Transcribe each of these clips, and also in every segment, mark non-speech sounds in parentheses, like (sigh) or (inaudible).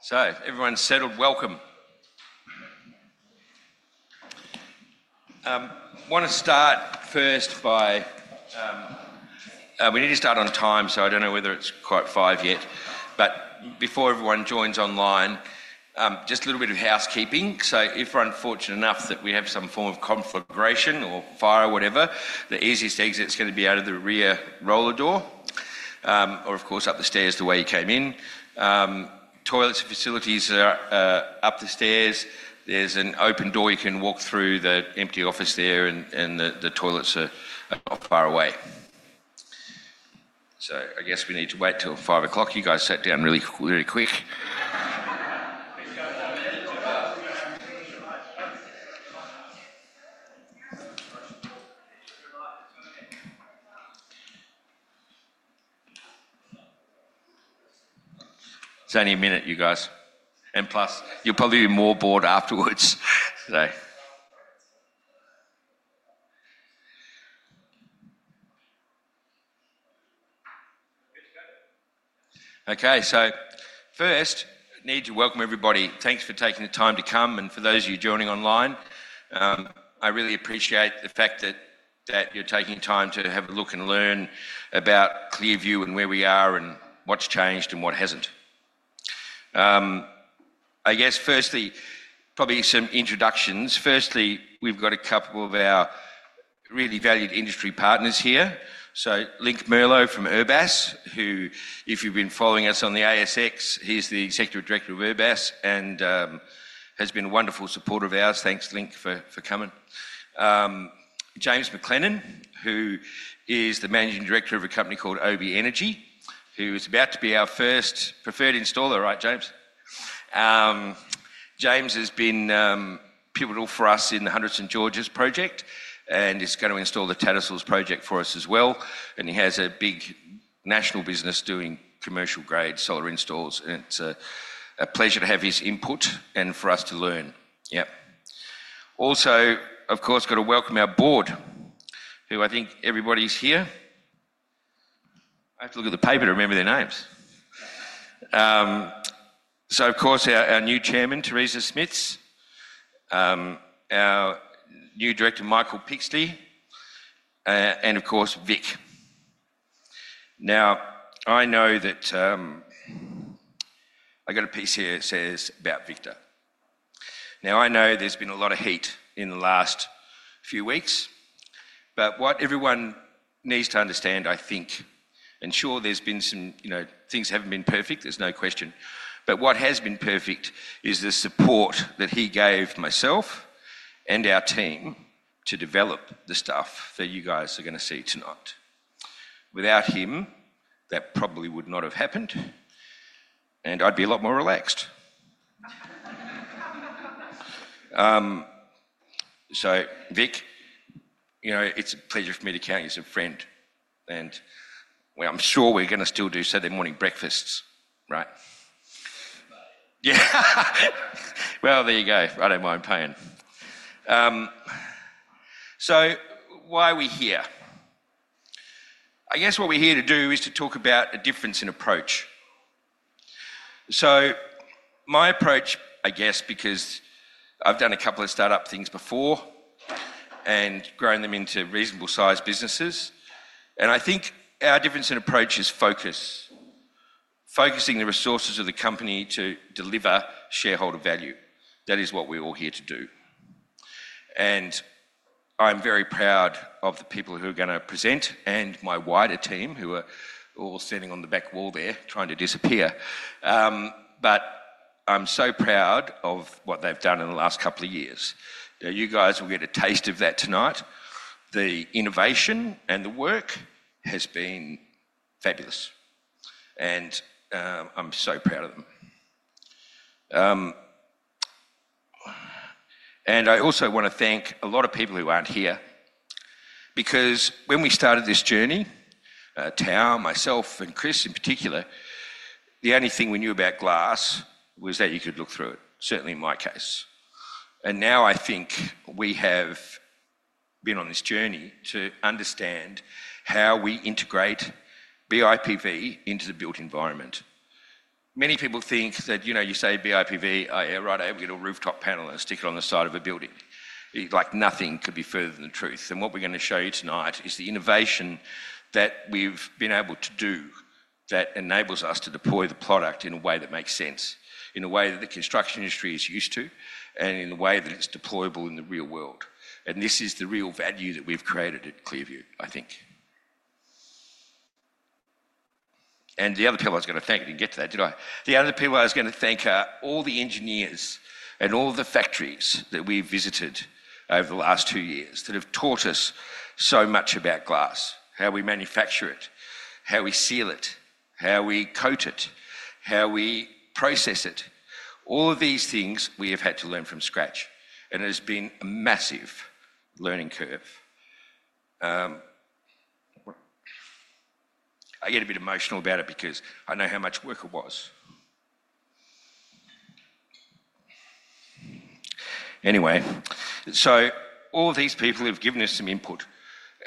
If everyone's settled, welcome. I want to start first by saying we need to start on time. I don't know whether it's quite five yet. Before everyone joins online, just a little bit of housekeeping. If we're unfortunate enough that we have some form of conflagration or fire, the easiest exit is going to be out of the rear roller door or, of course, up the stairs the way you came in. Toilets and facilities are up the stairs. There's an open door you can walk through the empty office there, and the toilets are up far away. I guess we need to wait till 5:00 o'clock. You guys sat down really quick. It's only a minute, you guys. Plus, you'll probably be more bored afterwards. First, I need to welcome everybody. Thanks for taking the time to come. For those of you joining online, I really appreciate the fact that you're taking time to have a look and learn about ClearVue and where we are and what's changed and what hasn't. I guess, firstly, probably some introductions. We've got a couple of our really valued industry partners here. Linc Merlo from erbas, who, if you've been following us on the ASX, is the Executive Director of erbas and has been a wonderful supporter of ours. Thanks, Linc, for coming. James McLennan, who is the Managing Director of a company called OB Energy, is about to be our first preferred installer, right, James? James has been pivotal for us in the 100 St. George project and is going to install the Tattersalls project for us as well. He has a big national business doing commercial-grade solar installs. It's a pleasure to have his input and for us to learn. Also, of course, got to welcome our board, who I think everybody's here. I have to look at the paper to remember their names. Our new Chairman, Theresa Smits, our new Director, Michael Pixley, and, of course, Vic. I know that I got a piece here that says about Victor. I know there's been a lot of heat in the last few weeks. What everyone needs to understand, I think, and sure, things haven't been perfect. There's no question. What has been perfect is the support that he gave myself and our team to develop the stuff that you guys are going to see tonight. Without him, that probably would not have happened. I'd be a lot more relaxed. Vic, it's a pleasure for me to count you as a friend. I'm sure we're going to still do Saturday morning breakfasts, right? Yeah. There you go. I don't mind paying. Why are we here? I guess what we're here to do is to talk about a difference in approach. My approach, I guess, because I've done a couple of startup things before and grown them into reasonable sized businesses. I think our difference in approach is focus, focusing the resources of the company to deliver shareholder value. That is what we're all here to do. I'm very proud of the people who are going to present and my wider team, who are all standing on the back wall there trying to disappear. I'm so proud of what they've done in the last couple of years. You guys will get a taste of that tonight. The innovation and the work has been fabulous. I'm so proud of them. I also want to thank a lot of people who aren't here. When we started this journey, Tao, myself, and Chris in particular, the only thing we knew about glass was that you could look through it, certainly in my case. Now I think we have been on this journey to understand how we integrate BIPV into the built environment. Many people think that, you know, you say BIPV, you're right, you get a rooftop panel and stick it on the side of a building. Nothing could be further than the truth. What we're going to show you tonight is the innovation that we've been able to do that enables us to deploy the product in a way that makes sense, in a way that the construction industry is used to, and in the way that it's deployable in the real world. This is the real value that we've created at ClearVue, I think. The other people I was going to thank, I didn't get to that, did I? The other people I was going to thank are all the engineers and all the factories that we've visited over the last two years that have taught us so much about glass, how we manufacture it, how we seal it, how we coat it, how we process it. All of these things we have had to learn from scratch. It has been a massive learning curve. I get a bit emotional about it because I know how much work it was. Anyway, all these people have given us some input.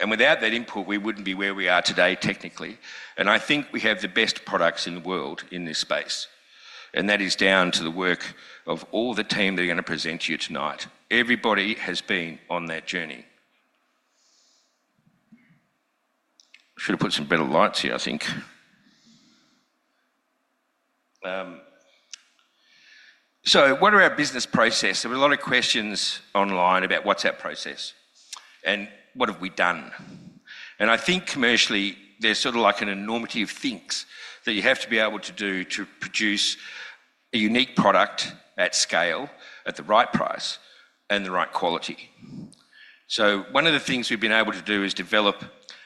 Without that input, we wouldn't be where we are today technically. I think we have the best products in the world in this space. That is down to the work of all the team that are going to present to you tonight. Everybody has been on that journey. I should have put some better lights here, I think. What are our business processes? There were a lot of questions online about what's our process and what have we done. I think commercially, there's sort of like an enormous thing that you have to be able to do to produce a unique product at scale, at the right price, and the right quality. One of the things we've been able to do is develop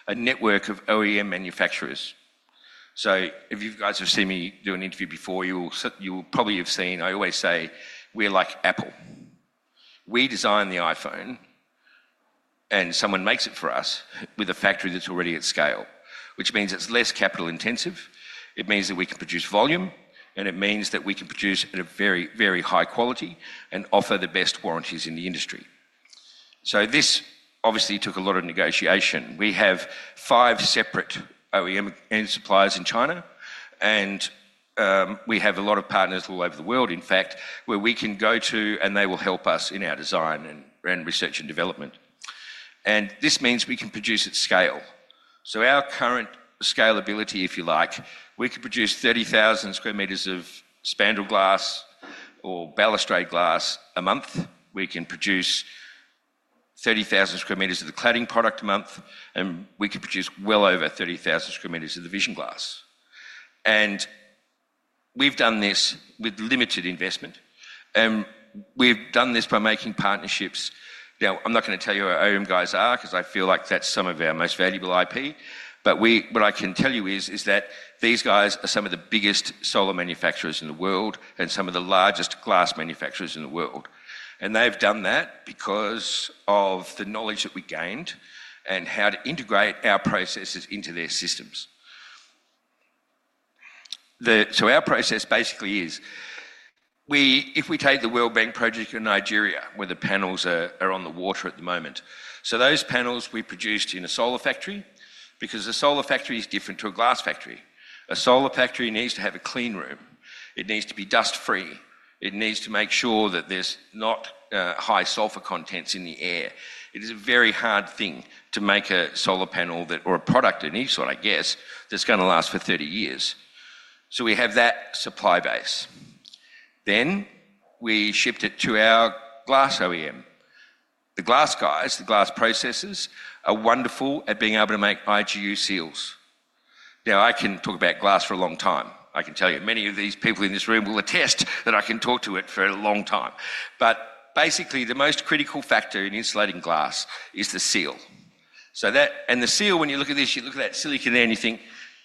a network of OEM manufacturers. If you guys have seen me do an interview before, you will probably have seen, I always say, we're like Apple. We design the iPhone and someone makes it for us with a factory that's already at scale, which means it's less capital intensive. It means that we can produce volume, and it means that we can produce at a very, very high quality and offer the best warranties in the industry. This obviously took a lot of negotiation. We have five separate OEM suppliers in China, and we have a lot of partners all over the world, in fact, where we can go to and they will help us in our design and research and development. This means we can produce at scale. Our current scalability, if you like, we could produce 30,000 sq m of spandrel glass or balustrade glass a month. We can produce 30,000 sq m of the cladding product a month, and we could produce well over 30,000 sq m of the vision glass. We've done this with limited investment. We've done this by making partnerships. I'm not going to tell you who our OEM guys are because I feel like that's some of our most valuable IP. What I can tell you is that these guys are some of the biggest solar manufacturers in the world and some of the largest glass manufacturers in the world. They've done that because of the knowledge that we gained and how to integrate our processes into their systems. Our process basically is, if we take the World Bank project in Nigeria, where the panels are on the water at the moment, those panels we produced in a solar factory, because a solar factory is different to a glass factory. A solar factory needs to have a clean room. It needs to be dust-free. It needs to make sure that there's not high sulfur contents in the air. It is a very hard thing to make a solar panel or a product of any sort, I guess, that's going to last for 30 years. We have that supply base. Then we shipped it to our glass OEM. The glass guys, the glass processors, are wonderful at being able to make IGU seals. Now, I can talk about glass for a long time. I can tell you many of these people in this room will attest that I can talk to it for a long time. Basically, the most critical factor in insulating glass is the seal. The seal, when you look at this, you look at that silicon there, and you think,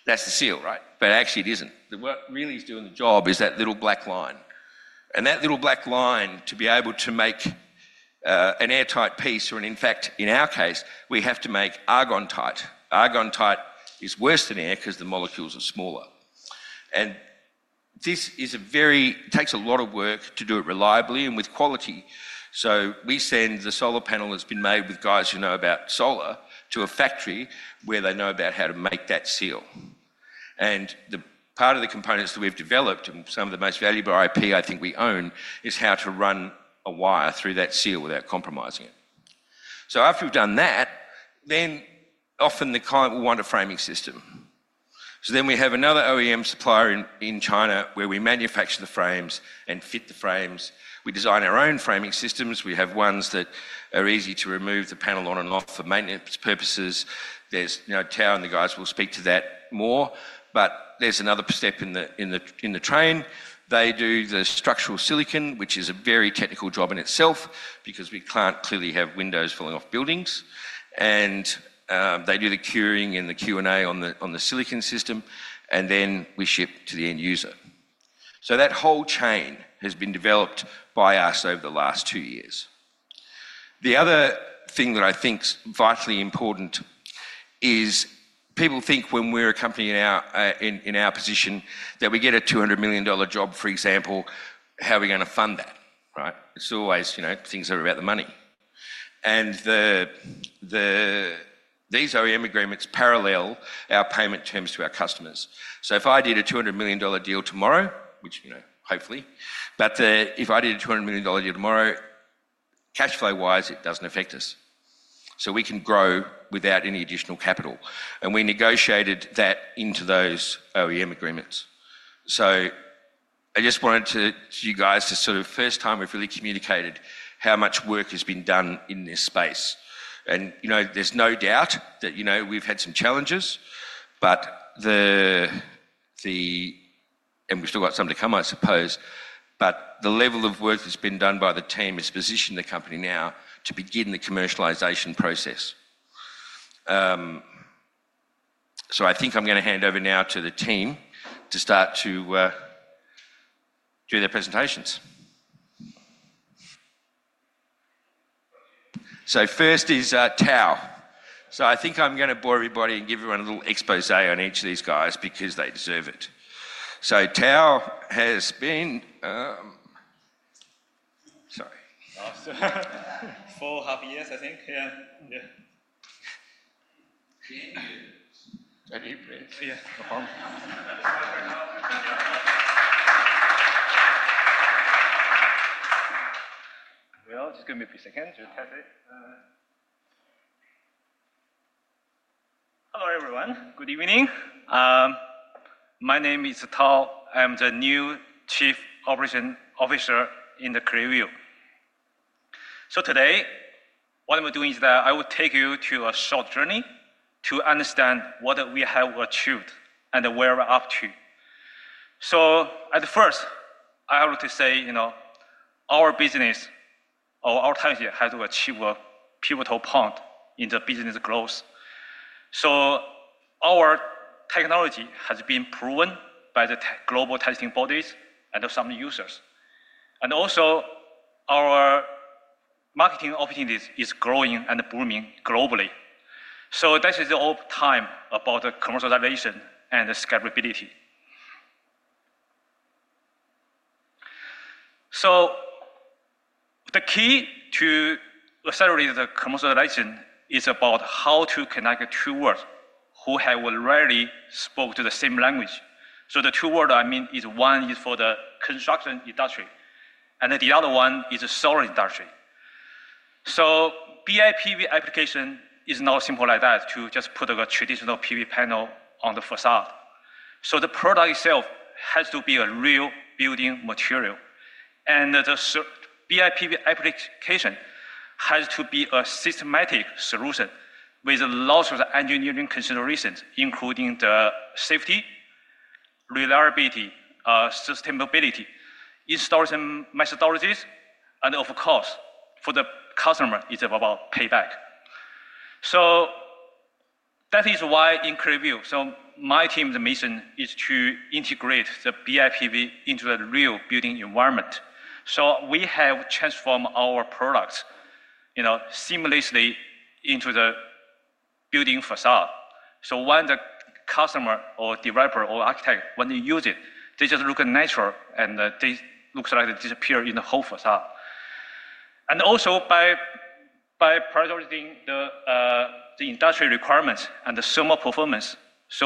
that's the seal, right? Actually, it isn't. What really is doing the job is that little black line. That little black line, to be able to make an airtight piece, or in fact, in our case, we have to make argon tight. Argon tight is worse than air because the molecules are smaller. This is a very, it takes a lot of work to do it reliably and with quality. We send the solar panel that's been made with guys who know about solar to a factory where they know about how to make that seal. The part of the components that we've developed and some of the most valuable IP I think we own is how to run a wire through that seal without compromising it. After we've done that, often the client will want a framing system. We have another OEM supplier in China where we manufacture the frames and fit the frames. We design our own framing systems. We have ones that are easy to remove the panel on and off for maintenance purposes. Tao and the guys will speak to that more. There's another step in the train. They do the structural silicon, which is a very technical job in itself because we can't clearly have windows falling off buildings. They do the curing and the Q&A on the silicon system, and then we ship to the end user. That whole chain has been developed by us over the last two years. The other thing that I think is vitally important is people think when we're a company in our position that we get a $200 million job, for example, how are we going to fund that? It's always, you know, things are about the money. These OEM agreements parallel our payment terms to our customers. If I did a $200 million deal tomorrow, which, you know, hopefully, if I did a $200 million deal tomorrow, cash flow-wise, it doesn't affect us. We can grow without any additional capital. We negotiated that into those OEM agreements. I just wanted to, to you guys, to sort of first time we've really communicated how much work has been done in this space. There's no doubt that we've had some challenges, and we've still got some to come, I suppose, but the level of work that's been done by the team has positioned the company now to begin the commercialization process. I think I'm going to hand over now to the team to start to do their presentations. First is Tao. I think I'm going to bore everybody and give everyone a little exposé on each of these guys because they deserve it. Tao has been, sorry. Four and a half years, I think. Yeah. [Ten years.] [Ten years, yeah.] [It's going to be a few seconds. We'll pass it.] Hello, everyone. Good evening. My name is Tao. I am the new Chief Operations Officer in ClearVue. Today, what I'm doing is that I will take you through a short journey to understand what we have achieved and where we're up to. At first, I have to say, you know, our business or our time here has to achieve a pivotal point in the business growth. Our technology has been proven by the global testing bodies and some users. Also, our marketing opportunity is growing and booming globally. This is all time about the commercialization and scalability. The key to accelerating the commercialization is about how to connect two worlds who have rarely spoken the same language. The two worlds I mean is one is for the construction industry, and the other one is the solar industry. BIPV application is not simple like that to just put a traditional PV panel on the facade. The product itself has to be a real building material. The BIPV application has to be a systematic solution with lots of engineering considerations, including the safety, reliability, sustainability, installation methodologies, and of course, for the customer, it's about payback. That is why in ClearVue, my team's mission is to integrate the BIPV into a real building environment. We have transformed our products, you know, seamlessly into the building facade. When the customer or developer or architect, when they use it, they just look at nature and it looks like it disappears in the whole facade. Also, by prioritizing the industry requirements and the thermal performance,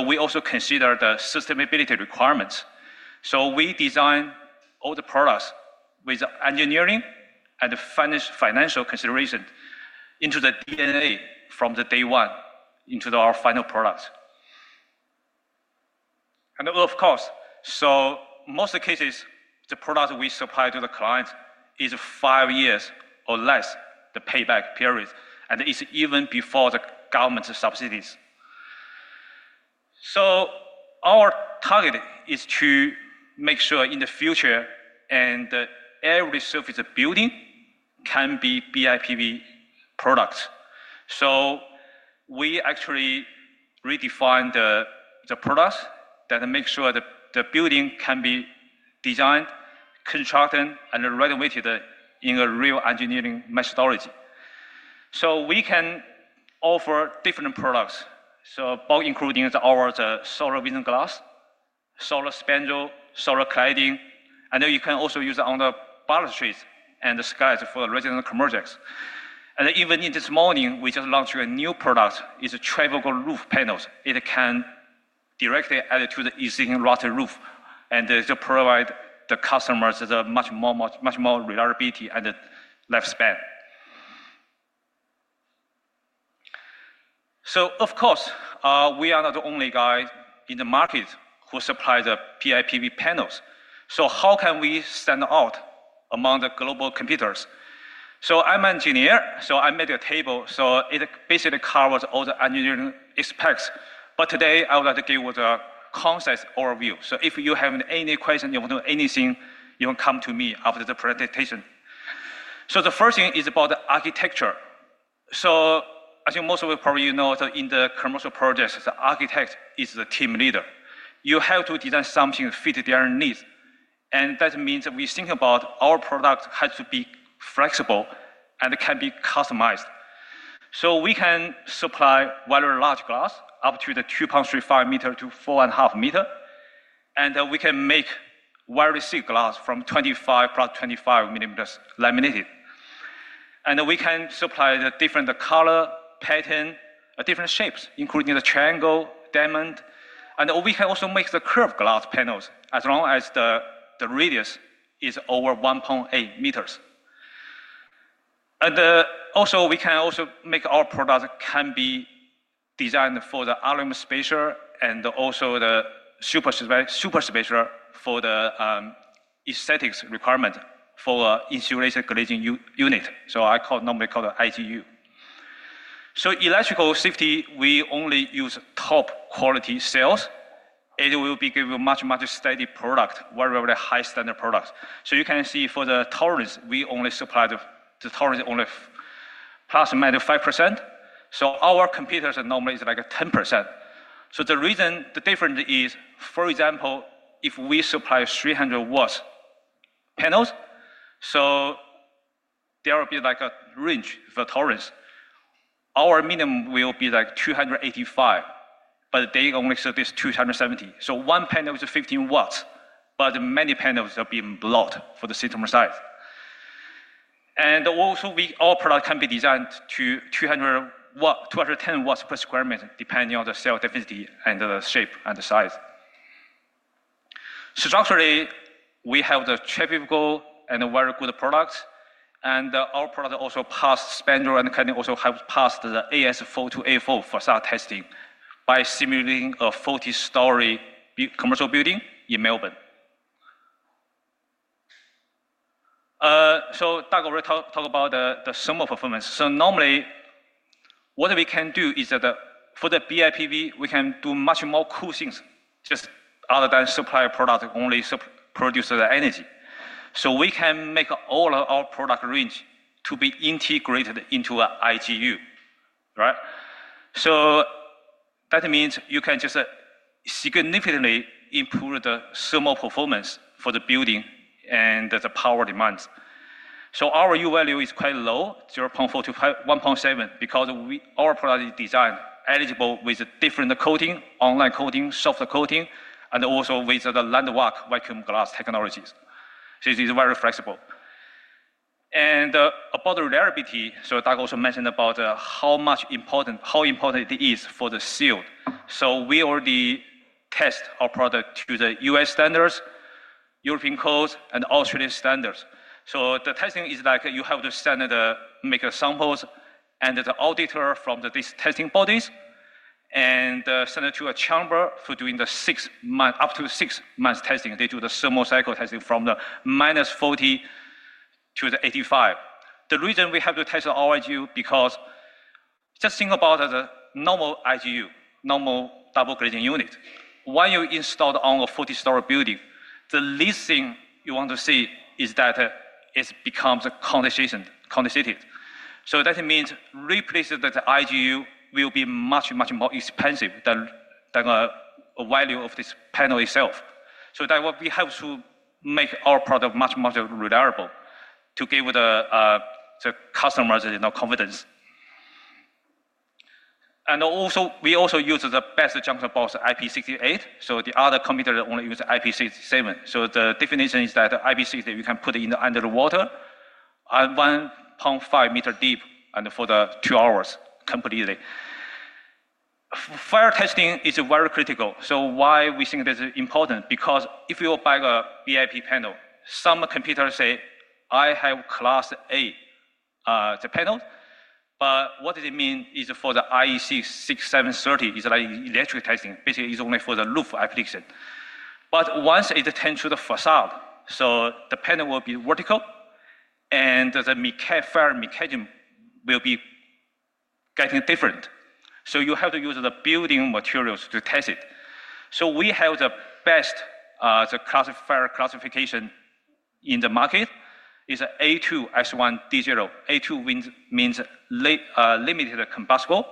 we also consider the sustainability requirements. We design all the products with engineering and the financial consideration into the [DNA] from the day one into our final product. Of course, most cases, the product we supply to the client is five years or less the payback period, and it's even before the government subsidies. Our target is to make sure in the future every surface of the building can be BIPV products. We actually redefine the products that make sure that the building can be designed, constructed, and renovated in a real engineering methodology. We can offer different products, so both including our solar vision glass, solar spandrel, solar cladding, and then you can also use it on the balustrades and the skylight for residential commercials. Even in this morning, we just launched a new product. It's a triple roof panel. It can directly add to the existing roof and provide the customers much more reliability and lifespan. Of course, we are not the only guys in the market who supply the BIPV panels. How can we stand out among the global competitors? I'm an engineer, so I made a table. It basically covers all the engineering specs. Today, I would like to give you the concept overview. If you have any questions, you want to know anything, you can come to me after the presentation. The first thing is about the architecture. I think most of you probably know that in the commercial projects, the architect is the team leader. You have to design something to fit their needs. That means that we think about our product has to be flexible and can be customized. We can supply very large glass up to 2.35 m-4.5 m. We can make very thick glass from 25+25 mm laminated. We can supply the different color, pattern, different shapes, including the triangle, diamond. We can also make the curved glass panels as long as the radius is over 1.8 m. We can also make our product can be designed for the unlimited spatial and also the super spatial for the aesthetics requirement for insulated glazing unit. I call it normally called the IGU. Electrical safety, we only use top quality cells. It will be given a much, much steady product, very, very high standard product. You can see for the tolerance, we only supply the tolerance only +/- 5%. Our competitors are normally like 10%. The reason the difference is, for example, if we supply 300 W panels, there will be like a range for tolerance. Our minimum will be like 285 W, but they only service 270 W. One panel is 15 W, but many panels are being blocked for the system size. Our product can be designed to 210 W/sq m, depending on the cell density and the shape and the size. Structurally, we have the triple and very good products. Our product also passed spandrel and can also pass the AS4 to A4 for site testing by simulating a 40-story commercial building in Melbourne. Doug will talk about the thermal performance. Normally, what we can do is that for the BIPV, we can do much more cool things, just other than supply product, only produce the energy. We can make all our product range to be integrated into an IGU. Right? That means you can just significantly improve the thermal performance for the building and the power demands. Our U-value is quite low, 0.4 to 1.7, because our product is designed eligible with different coating, online coating, soft coating, and also with the LandVac vacuum glass technologies. It is very flexible. About the reliability, Doug also mentioned how important it is for the seal. We already test our product to the U.S. standards, European codes, and Australian standards. The testing is like you have to make samples and the auditor from these testing bodies sends it to a chamber for doing up to six months testing. They do the thermal cycle testing from -40 to 85. The reason we have to test our IGU is because just think about the normal IGU, normal double glazing unit. When you install it on a 40-story building, the least thing you want to see is that it becomes condensated. Replacing the IGU will be much, much more expensive than the value of this panel itself. That's why we have to make our product much, much more reliable to give the customers enough confidence. We also use the best junction box IP68. The other competitors only use IP67. The definition is that IP68, you can put it under the water at 1.5 m deep and for two hours completely. Fire testing is very critical. Why we think that's important is because if you buy a BIPV panel, some competitors say, "I have Class A panel." What it means is for the IEC 61730 is like electric testing. Basically, it's only for the roof application. Once it turns to the facade, the panel will be vertical and the fire mechanism will be getting different. You have to use the building materials to test it. We have the best fire classification in the market, which is A2 S1 D0. A2 means limited combustible.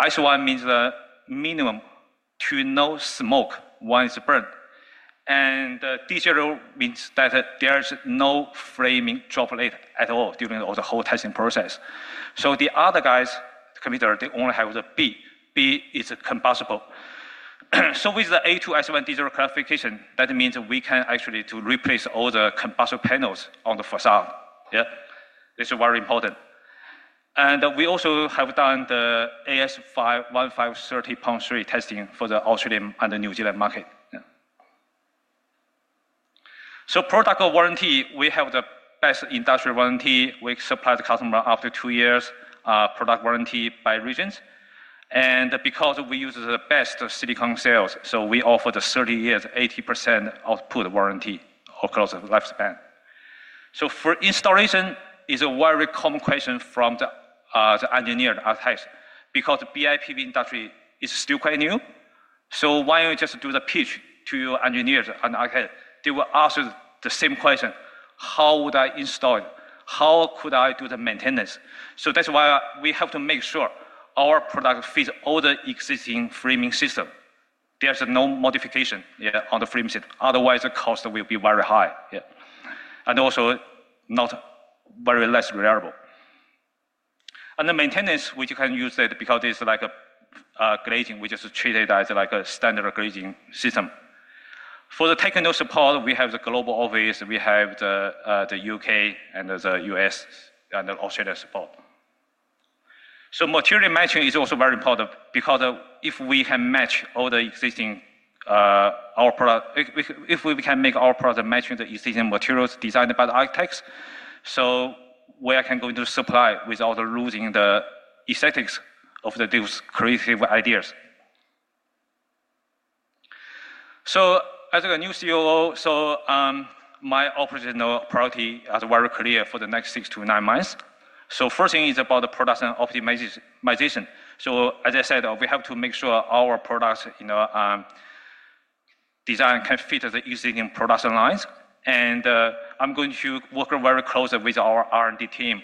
S1 means the minimum to no smoke once burned. D0 means that there is no flaming droplet at all during the whole testing process. The other guys, the competitors, they only have the B. B is combustible. With the A2-s1,d0 classification, that means we can actually replace all the combustible panels on the facade. This is very important. We also have done the AS 1530.3 testing for the Australian and the New Zealand market. Product warranty, we have the best industrial warranty. We supply the customer up to two years product warranty by regions. Because we use the best silicon cells, we offer the 30 years, 80% output warranty across the lifespan. For installation, it's a very common question from the engineer and architects because the BIPV industry is still quite new. When you just do the pitch to engineers and architects, they will ask the same question, "How would I install it? How could I do the maintenance?" We have to make sure our product fits all the existing framing system. There's no modification on the framing system. Otherwise, the cost will be very high, and also not very reliable. The maintenance, we can use it because it's like a glazing. We just treat it as like a standard glazing system. For the technical support, we have the global office. We have the U.K. and the U.S. and the Australia support. Material matching is also very important because if we can make our product matching the existing materials designed by the architects, we can go into supply without losing the aesthetics of the creative ideas. As a new COO, my operational priority is very clear for the next six to nine months. First thing is about the production optimization. As I said, we have to make sure our product design can fit the existing production lines. I'm going to work very closely with our R&D team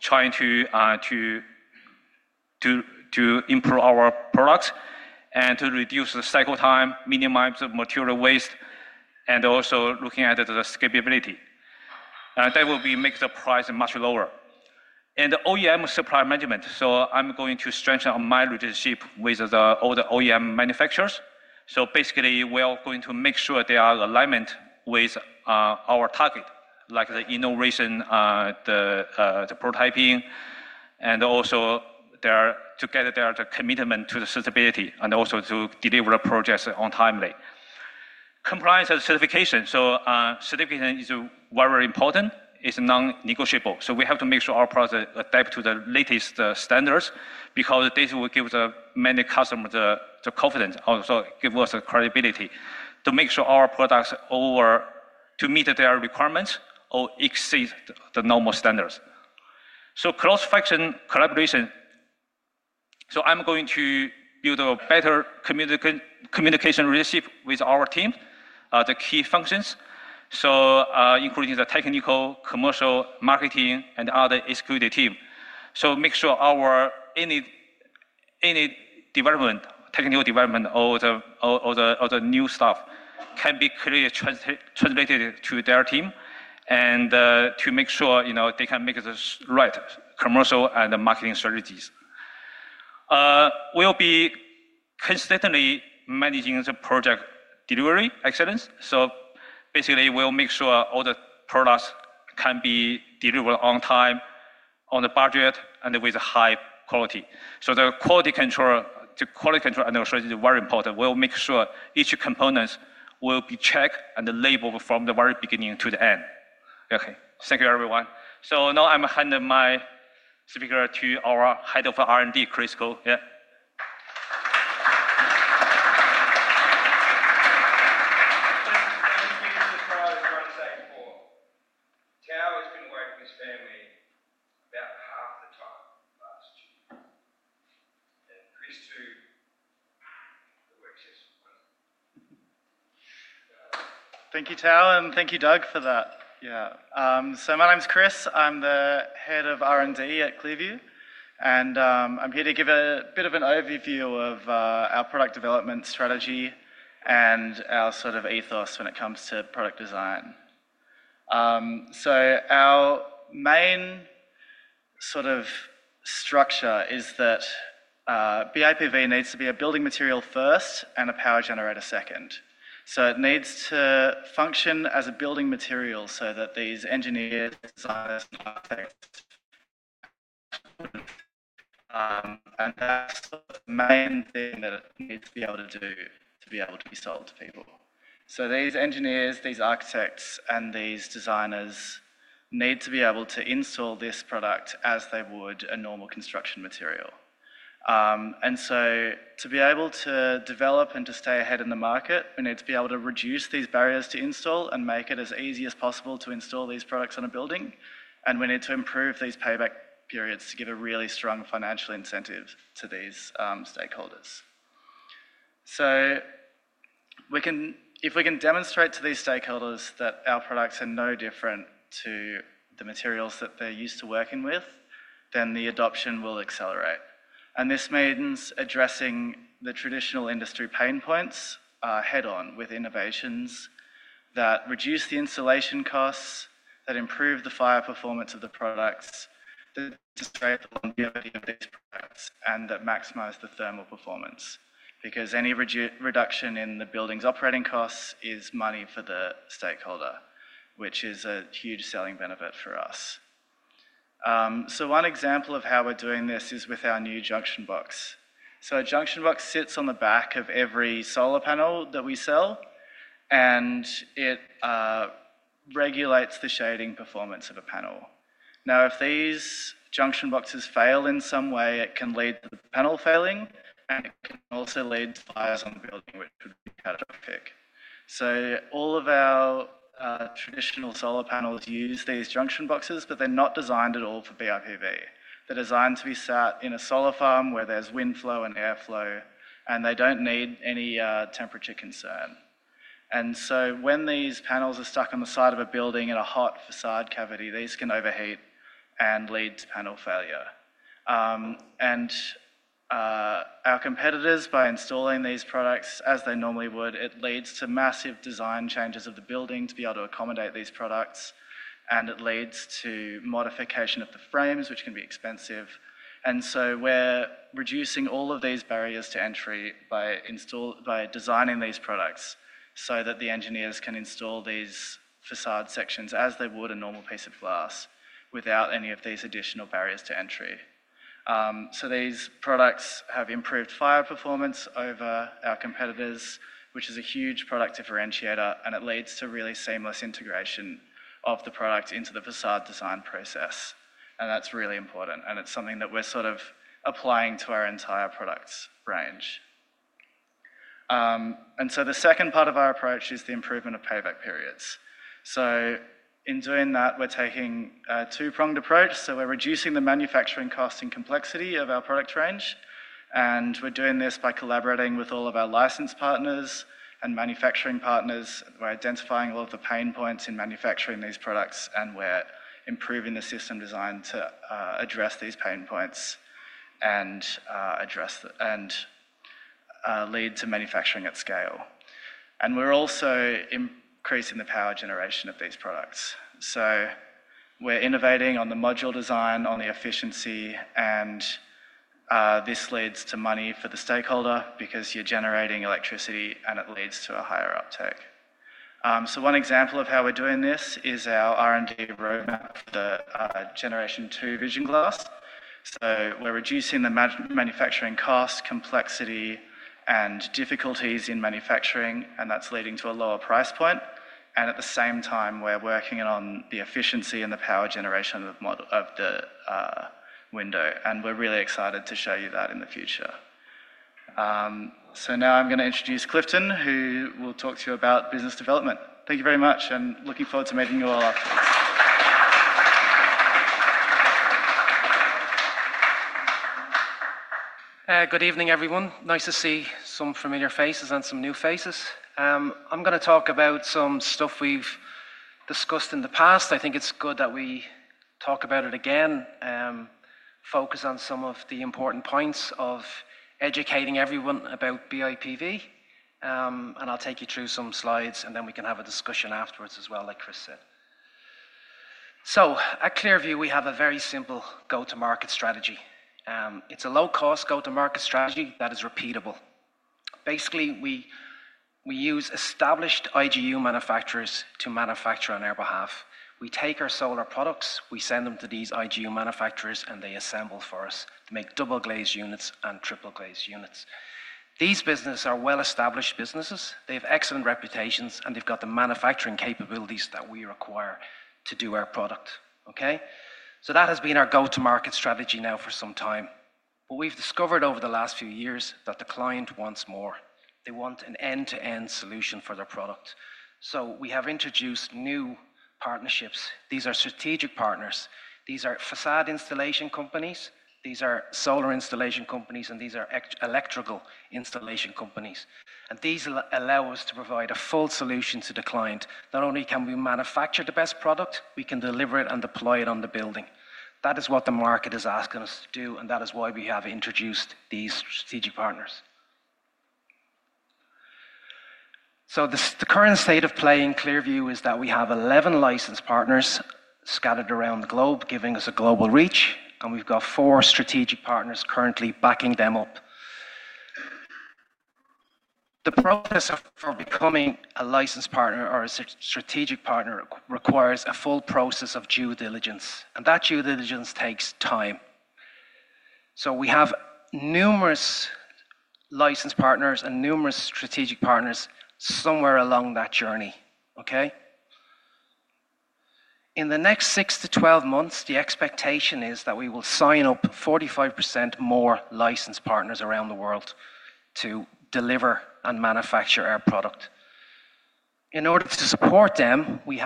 trying to improve our products and to reduce the cycle time, minimize the material waste, and also looking at the scalability. That will make the price much lower. OEM supply management, I'm going to strengthen my relationship with all the OEM manufacturers. Basically, we are going to make sure they are aligned with our target, like the innovation, the prototyping, and also together their commitment to the sustainability and to deliver projects on timely. Compliance and certification, certification is very, very important. It's non-negotiable. We have to make sure our products adapt to the latest standards because this will give many customers the confidence, also give us credibility to make sure our products meet their requirements or exceed the normal standards. Cross-function collaboration, I'm going to build a better communication relationship with our team, the key functions, including the technical, commercial, marketing, and other executive teams. Make sure any development, technical development, or the new stuff can be clearly translated to their team and to make sure they can make the right commercial and marketing strategies. We'll be consistently managing the project delivery excellence. Basically, we'll make sure all the products can be delivered on time, on the budget, and with high quality. The quality control and the assurance is very important. We'll make sure each component will be checked and labeled from the very beginning to the end. Thank you, everyone. Now I'm handing my speaker to our Head of R&D, Chris Cole. Tao has been working with [Sami] about half the time last year. Thank you, Tao, and thank you, Doug, for that. Yeah. So my name's Chris. I'm the Head of R&D at ClearVue. I'm here to give a bit of an overview of our product development strategy and our sort of ethos when it comes to product design. Our main sort of structure is that BIPV needs to be a building material first and a power generator second. It needs to function as a building material so that these engineers design it. That main thing that it needs to be able to do to be able to be sold to people. These engineers, these architects, and these designers need to be able to install this product as they would a normal construction material. To be able to develop and to stay ahead in the market, we need to be able to reduce these barriers to install and make it as easy as possible to install these products on a building. We need to improve these payback periods to give a really strong financial incentive to these stakeholders. If we can demonstrate to these stakeholders that our products are no different to the materials that they're used to working with, then the adoption will accelerate. This means addressing the traditional industry pain points head-on with innovations that reduce the installation costs, that improve the fire performance of the products, that display the longevity of these products, and that maximize the thermal performance. Any reduction in the building's operating costs is money for the stakeholder, which is a huge selling benefit for us. One example of how we're doing this is with our new junction box. A junction box sits on the back of every solar panel that we sell, and it regulates the shading performance of a panel. If these junction boxes fail in some way, it can lead to the panel failing and also lead to fires on the building, [which could be catastrophic]. All of our traditional solar panels use these junction boxes, but they're not designed at all for BIPV. They're designed to be sat in a solar farm where there's wind flow and airflow, and they don't need any temperature concern. When these panels are stuck on the side of a building in a hot facade cavity, these can overheat and lead to panel failure. Our competitors, by installing these products as they normally would, it leads to massive design changes of the building to be able to accommodate these products. It leads to modification of the frames, which can be expensive. We are reducing all of these barriers to entry by designing these products so that the engineers can install these facade sections as they would a normal piece of glass without any of these additional barriers to entry. These products have improved fire performance over our competitors, which is a huge product differentiator, and it leads to really seamless integration of the product into the facade design process. That is really important, and it is something that we are applying to our entire product range. The second part of our approach is the improvement of payback periods. In doing that, we are taking a two-pronged approach. We are reducing the manufacturing cost and complexity of our product range, and we are doing this by collaborating with all of our licensed partners and manufacturing partners. We are identifying all of the pain points in manufacturing these products, and we are improving the system design to address these pain points and lead to manufacturing at scale. We are also increasing the power generation of these products. We are innovating on the module design, on the efficiency, and this leads to money for the stakeholder because you are generating electricity and it leads to a higher uptake. One example of how we are doing this is our R&D roadmap for the Generation 2 vision glass. We are reducing the manufacturing cost, complexity, and difficulties in manufacturing, and that is leading to a lower price point. At the same time, we are working on the efficiency and the power generation of the window, and we are really excited to show you that in the future. Now I am going to introduce Clifton, who will talk to you about business development. Thank you very much, and looking forward to meeting you all. Good evening, everyone. Nice to see some familiar faces and some new faces. I'm going to talk about some stuff we've discussed in the past. I think it's good that we talk about it again, focus on some of the important points of educating everyone about BIPV. I'll take you through some slides, and then we can have a discussion afterwards as well, like Chris said. At ClearVue, we have a very simple go-to-market strategy. It's a low-cost go-to-market strategy that is repeatable. Basically, we use established IGU manufacturers to manufacture on their behalf. We take our solar products, we send them to these IGU manufacturers, and they assemble for us, make double-glazed units and triple-glazed units. These businesses are well-established businesses. They have excellent reputations, and they've got the manufacturing capabilities that we require to do our product. That has been our go-to-market strategy now for some time. We've discovered over the last few years that the client wants more. They want an end-to-end solution for their product. We have introduced new partnerships. These are strategic partners. These are facade installation companies. These are solar installation companies, and these are electrical installation companies. These allow us to provide a full solution to the client. Not only can we manufacture the best product, we can deliver it and deploy it on the building. That is what the market is asking us to do, and that is why we have introduced these strategic partners. The current state of play in ClearVue is that we have 11 licensed partners scattered around the globe, giving us a global reach, and we've got four strategic partners currently backing them up. The process for becoming a licensed partner or a strategic partner requires a full process of due diligence, and that due diligence takes time. We have numerous licensed partners and numerous strategic partners somewhere along that journey. In the next six to 12 months, the expectation is that we will sign up 45% more licensed partners around the world to deliver and manufacture our product. In order to support them, we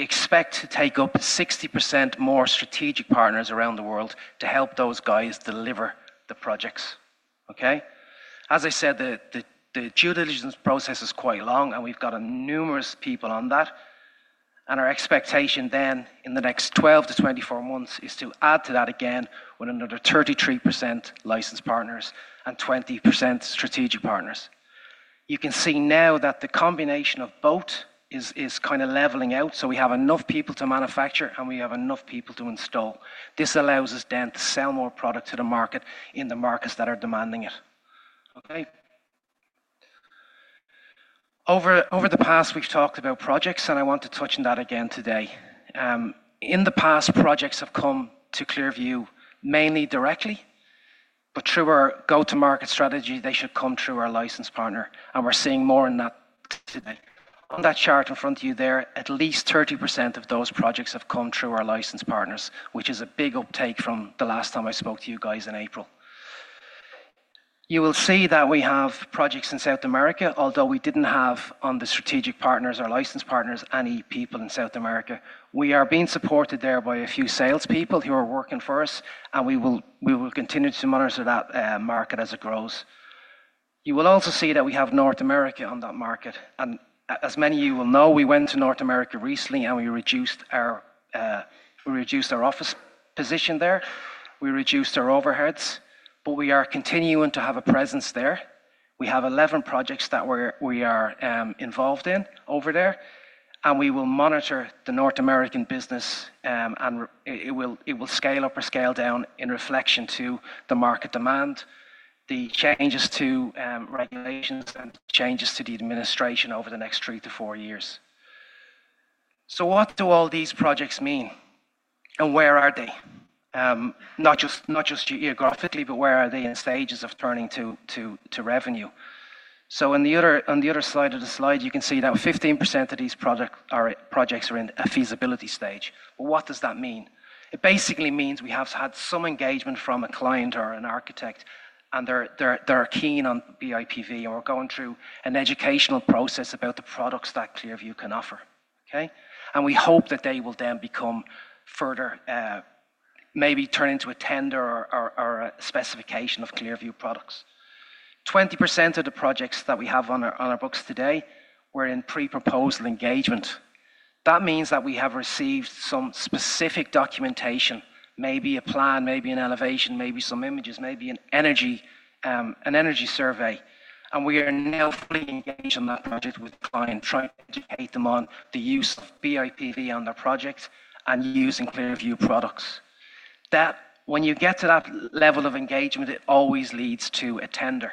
expect to take up 60% more strategic partners around the world to help those guys deliver the projects. As I said, the due diligence process is quite long, and we've got numerous people on that. Our expectation in the next 12-24 months is to add to that again with another 33% licensed partners and 20% strategic partners. You can see now that the combination of both is kind of leveling out. We have enough people to manufacture, and we have enough people to install. This allows us to sell more products to the market in the markets that are demanding it. Over the past, we've talked about projects, and I want to touch on that again today. In the past, projects have come to ClearVue mainly directly, but through our go-to-market strategy, they should come through our licensed partner. We're seeing more in that today. On that chart in front of you there, at least 30% of those projects have come through our licensed partners, which is a big uptake from the last time I spoke to you guys in April. You will see that we have projects in South America, although we didn't have on the strategic partners or licensed partners any people in South America. We are being supported there by a few salespeople who are working for us, and we will continue to monitor that market as it grows. You will also see that we have North America on that market. As many of you will know, we went to North America recently, and we reduced our office position there. We reduced our overheads, but we are continuing to have a presence there. We have 11 projects that we are involved in over there, and we will monitor the North American business, and it will scale up or scale down in reflection to the market demand, the changes to regulations, and changes to the administration over the next three to four years. What do all these projects mean? Where are they? Not just geographically, but where are they in stages of turning to revenue? On the other side of the slide, you can see that 15% of these projects are in a feasibility stage. What does that mean? It basically means we have had some engagement from a client or an architect, and they're keen on BIPV or going through an educational process about the products that ClearVue can offer. We hope that they will then become further, maybe turn into a tender or a specification of ClearVue products. 20% of the projects that we have on our books today were in pre-proposal engagement. That means that we have received some specific documentation, maybe a plan, maybe an elevation, maybe some images, maybe an energy survey. We are now fully engaged on that project with clients, trying to educate them on the use of BIPV on their projects and using ClearVue products. When you get to that level of engagement, it always leads to a tender.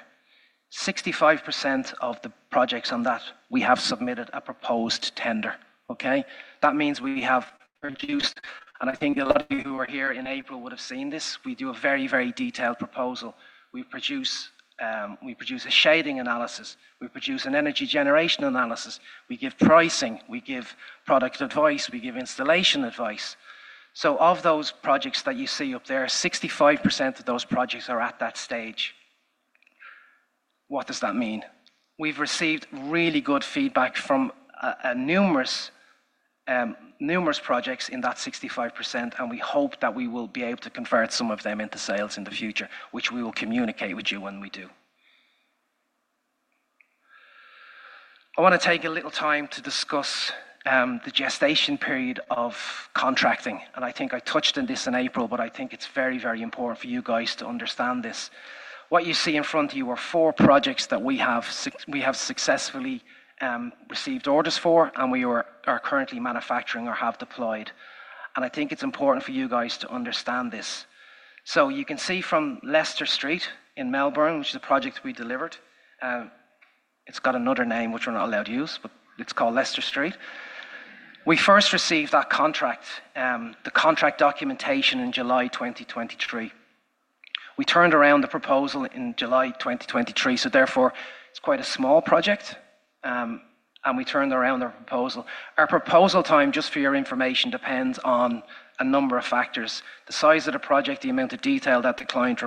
65% of the projects on that, we have submitted a proposed tender. That means we have produced, and I think a lot of you who were here in April would have seen this, a very, very detailed proposal. We produce a shading analysis. We produce an energy generation analysis. We give pricing. We give product advice. We give installation advice. Of those projects that you see up there, 65% of those projects are at that stage. What does that mean? We've received really good feedback from numerous projects in that 65%, and we hope that we will be able to convert some of them into sales in the future, which we will communicate with you when we do. I want to take a little time to discuss the gestation period of contracting. I think I touched on this in April, but I think it's very, very important for you guys to understand this. What you see in front of you are four projects that we have successfully received orders for, and we are currently manufacturing or have deployed. I think it's important for you guys to understand this. You can see from Leicester Street in Melbourne, which is a project we delivered. It's got another name, which we're not allowed to use, but it's called Leicester Street. We first received that contract, the contract documentation in July 2023. We turned around the proposal in July 2023. Therefore, it's quite a small project, and we turned around our proposal. Our proposal time, just for your information, depends on a number of factors: the size of the project, the amount of detail that the client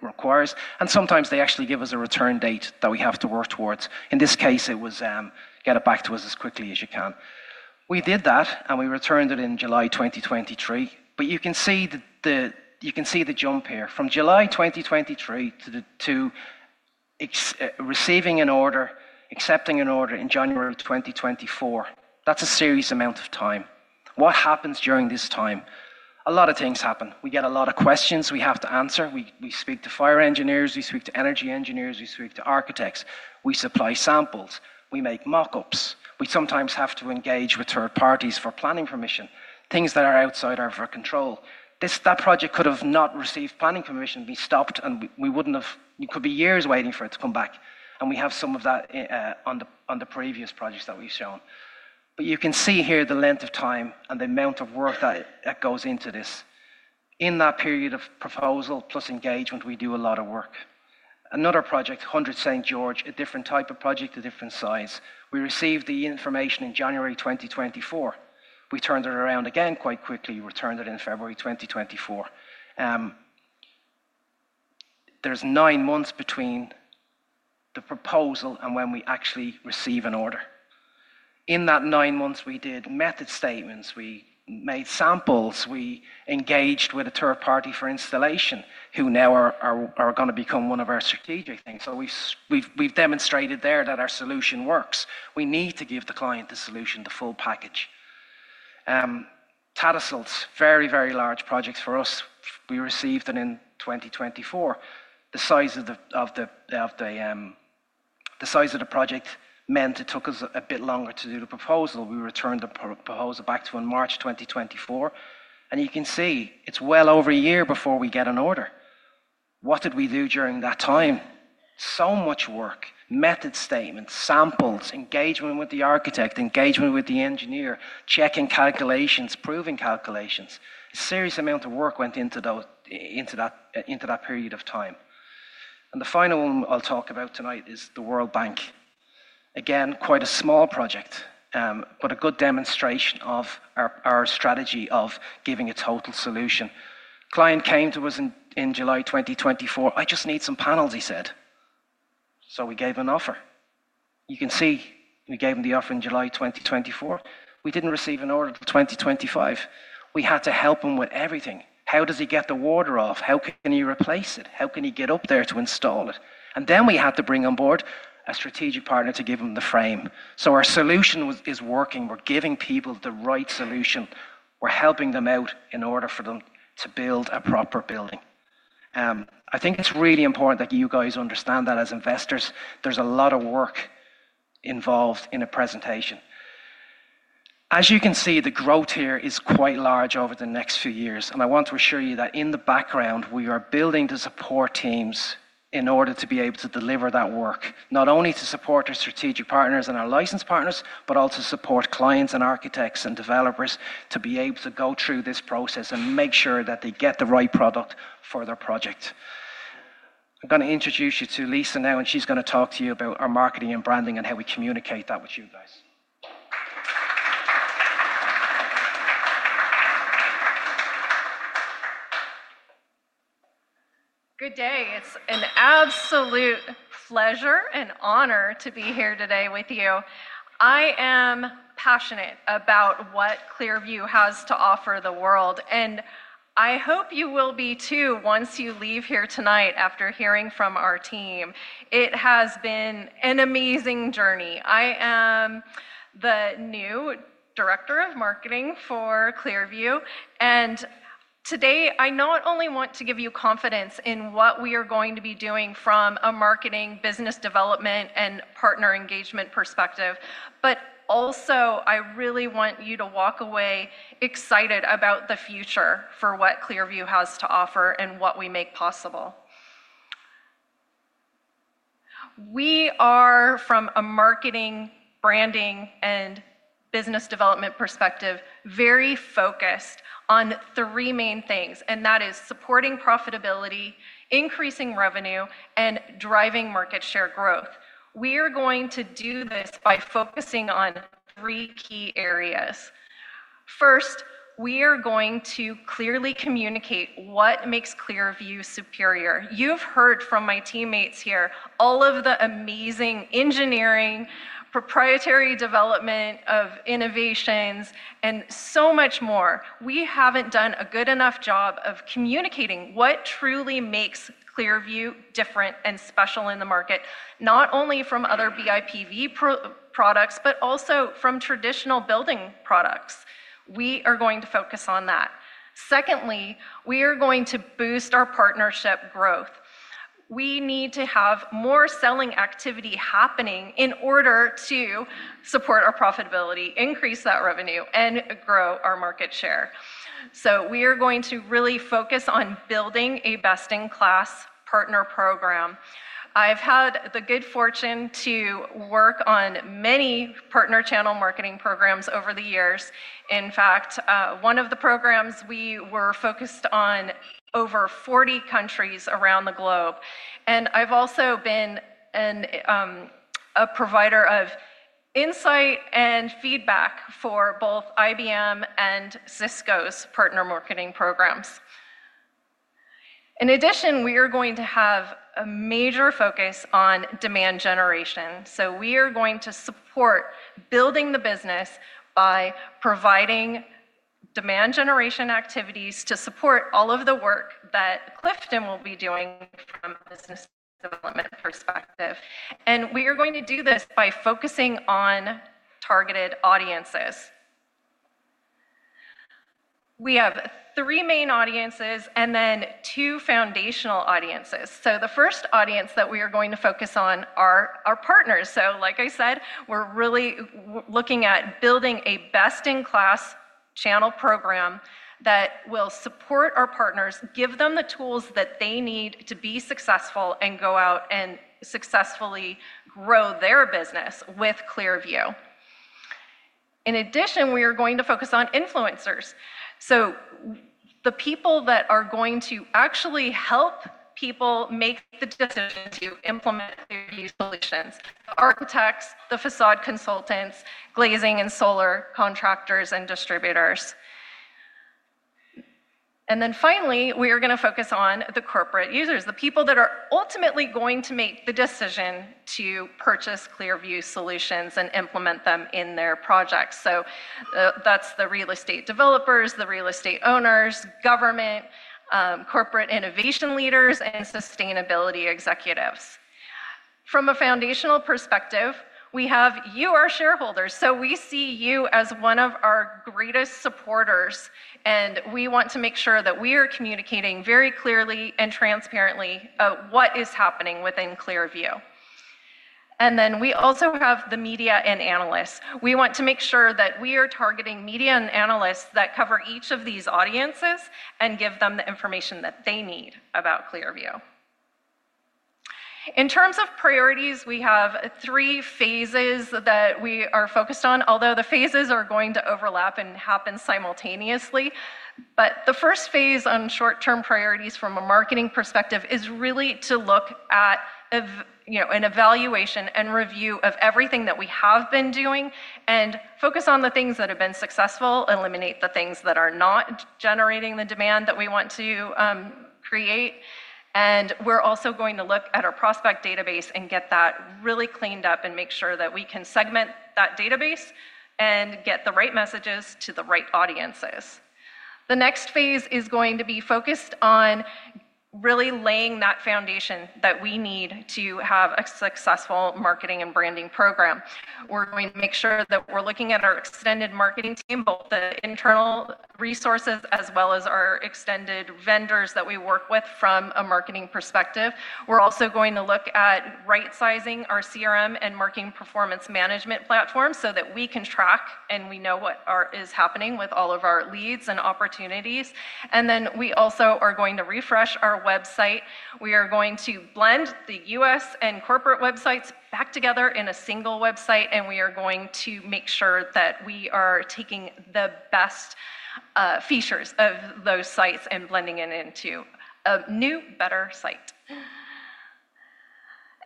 requires, and sometimes they actually give us a return date that we have to work towards. In this case, it was get it back to us as quickly as you can. We did that, and we returned it in July 2023. You can see the jump here from July 2023 to receiving an order, accepting an order in January 2024. That's a serious amount of time. What happens during this time? A lot of things happen. We get a lot of questions we have to answer. We speak to fire engineers. We speak to energy engineers. We speak to architects. We supply samples. We make mockups. We sometimes have to engage with third parties for planning permission, things that are outside of our control. That project could have not received planning permission. We stopped, and we wouldn't have. It could be years waiting for it to come back. We have some of that on the previous projects that we've shown. You can see here the length of time and the amount of work that goes into this. In that period of proposal plus engagement, we do a lot of work. Another project, 100 St. George, a different type of project, a different size. We received the information in January 2024. We turned it around again quite quickly. We returned it in February 2024. There's nine months between the proposal and when we actually receive an order. In that nine months, we did method statements. We made samples. We engaged with a third party for installation, who now are going to become one of our strategic things. We've demonstrated there that our solution works. We need to give the client the solution, the full package. Tattersalls, very, very large projects for us. We received it in 2024. The size of the project meant it took us a bit longer to do the proposal. We returned the proposal back in March 2024. You can see it's well over a year before we get an order. What did we do during that time? So much work, method statements, samples, engagement with the architect, engagement with the engineer, checking calculations, proving calculations. A serious amount of work went into that period of time. The final one I'll talk about tonight is the World Bank. Again, quite a small project, but a good demonstration of our strategy of giving a total solution. Client came to us in July 2024. "I just need some panels", he said. We gave him an offer. You can see we gave him the offer in July 2024. We didn't receive an order until 2025. We had to help him with everything. How does he get the water off? How can he replace it? How can he get up there to install it? We had to bring on board a strategic partner to give him the frame. Our solution is working. We're giving people the right solution. We're helping them out in order for them to build a proper building. I think it's really important that you guys understand that as investors, there's a lot of work involved in a presentation. You can see the growth here is quite large over the next few years. I want to assure you that in the background, we are building to support teams in order to be able to deliver that work, not only to support our strategic partners and our licensed partners, but also support clients and architects and developers to be able to go through this process and make sure that they get the right product for their project. I'm going to introduce you to Lisa now, and she's going to talk to you about our marketing and branding and how we communicate that with you guys. Good day. It's an absolute pleasure and honor to be here today with you. I am passionate about what ClearVue has to offer the world. I hope you will be too once you leave here tonight after hearing from our team. It has been an amazing journey. I am the new Director of Marketing for ClearVue. Today, I not only want to give you confidence in what we are going to be doing from a marketing, business development, and partner engagement perspective, but also, I really want you to walk away excited about the future for what ClearVue has to offer and what we make possible. We are, from a marketing, branding, and business development perspective, very focused on three main things, and that is supporting profitability, increasing revenue, and driving market share growth. We are going to do this by focusing on three key areas. First, we are going to clearly communicate what makes ClearVue superior. You've heard from my teammates here all of the amazing engineering, proprietary development of innovations, and so much more. We haven't done a good enough job of communicating what truly makes ClearVue different and special in the market, not only from other BIPV products, but also from traditional building products. We are going to focus on that. Secondly, we are going to boost our partnership growth. We need to have more selling activity happening in order to support our profitability, increase that revenue, and grow our market share. We are going to really focus on building a best-in-class partner program. I've had the good fortune to work on many partner channel marketing programs over the years. In fact, one of the programs we were focused on over 40 countries around the globe. I've also been a provider of insight and feedback for both IBM and Cisco's partner marketing programs. In addition, we are going to have a major focus on demand generation. We are going to support building the business by providing demand generation activities to support all of the work that Clifton will be doing from a business development perspective. We are going to do this by focusing on targeted audiences. We have three main audiences and then two foundational audiences. The first audience that we are going to focus on are our partners. Like I said, we're really looking at building a best-in-class channel program that will support our partners, give them the tools that they need to be successful, and go out and successfully grow their business with ClearVue. In addition, we are going to focus on influencers, the people that are going to actually help people make the decision to implement ClearVue solutions: architects, the facade consultants, glazing and solar contractors, and distributors. Finally, we are going to focus on the corporate users, the people that are ultimately going to make the decision to purchase ClearVue solutions and implement them in their projects. That's the real estate developers, the real estate owners, government, corporate innovation leaders, and sustainability executives. From a foundational perspective, we have you, our shareholders. We see you as one of our greatest supporters, and we want to make sure that we are communicating very clearly and transparently what is happening within ClearVue. We also have the media and analysts. We want to make sure that we are targeting media and analysts that cover each of these audiences and give them the information that they need about ClearVue. In terms of priorities, we have three phases that we are focused on, although the phases are going to overlap and happen simultaneously. The first phase on short-term priorities from a marketing perspective is really to look at an evaluation and review of everything that we have been doing and focus on the things that have been successful, eliminate the things that are not generating the demand that we want to create. We're also going to look at our prospect database and get that really cleaned up and make sure that we can segment that database and get the right messages to the right audiences. The next phase is going to be focused on really laying that foundation that we need to have a successful marketing and branding program. We're going to make sure that we're looking at our extended marketing team, both the internal resources as well as our extended vendors that we work with from a marketing perspective. We're also going to look at right-sizing our CRM and marketing performance management platform so that we can track and we know what is happening with all of our leads and opportunities. We also are going to refresh our website. We are going to blend the U.S. and corporate websites back together in a single website, and we are going to make sure that we are taking the best features of those sites and blending it into a new, better site.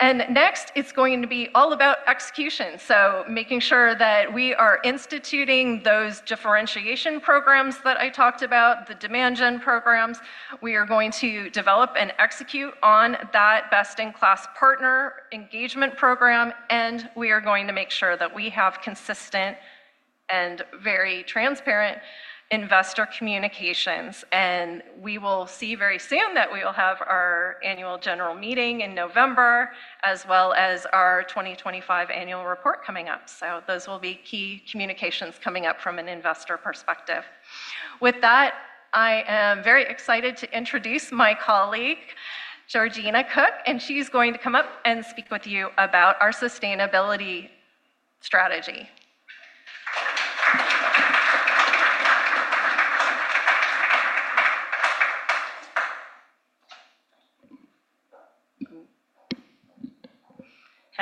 Next, it's going to be all about execution. Making sure that we are instituting those differentiation programs that I talked about, the demand gen programs. We are going to develop and execute on that best-in-class partner engagement program, and we are going to make sure that we have consistent and very transparent investor communications. We will see very soon that we will have our annual general meeting in November, as well as our 2025 annual report coming up. Those will be key communications coming up from an investor perspective. With that, I am very excited to introduce my colleague, Georgina Cook, and she's going to come up and speak with you about our sustainability strategy.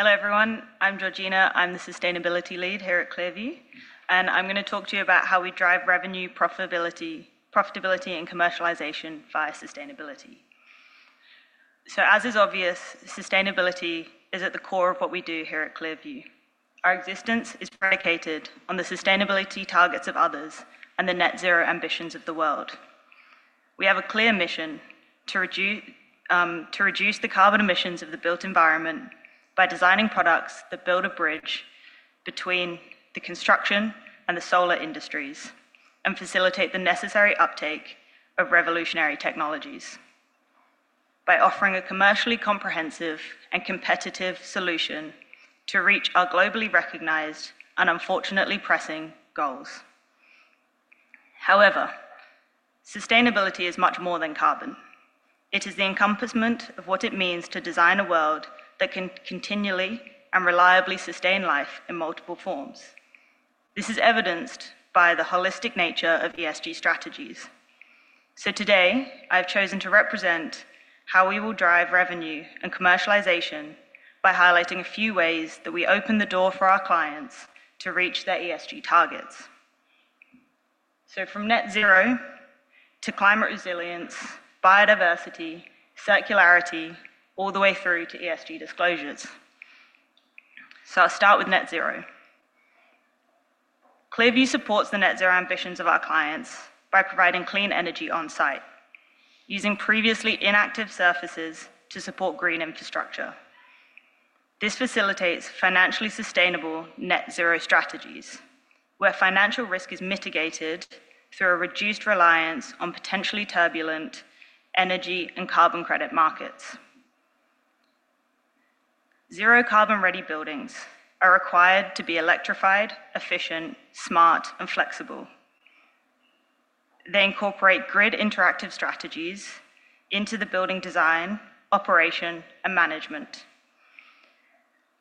Hello everyone. I'm Georgina. I'm the Sustainability Lead here at ClearVue, and I'm going to talk to you about how we drive revenue profitability and commercialization via sustainability. As is obvious, sustainability is at the core of what we do here at ClearVue. Our existence is predicated on the sustainability targets of others and the net zero ambitions of the world. We have a clear mission to reduce the carbon emissions of the built environment by designing products that build a bridge between the construction and the solar industries and facilitate the necessary uptake of revolutionary technologies by offering a commercially comprehensive and competitive solution to reach our globally recognized and unfortunately pressing goals. However, sustainability is much more than carbon. It is the encompassment of what it means to design a world that can continually and reliably sustain life in multiple forms. This is evidenced by the holistic nature of ESG strategies. Today, I've chosen to represent how we will drive revenue and commercialization by highlighting a few ways that we open the door for our clients to reach their ESG targets. From net zero to climate resilience, biodiversity, circularity, all the way through to ESG disclosures. I'll start with net zero. ClearVue supports the net zero ambitions of our clients by providing clean energy on-site, using previously inactive surfaces to support green infrastructure. This facilitates financially sustainable net zero strategies, where financial risk is mitigated through a reduced reliance on potentially turbulent energy and carbon credit markets. Zero carbon-ready buildings are required to be electrified, efficient, smart, and flexible. They incorporate grid interactive strategies into the building design, operation, and management.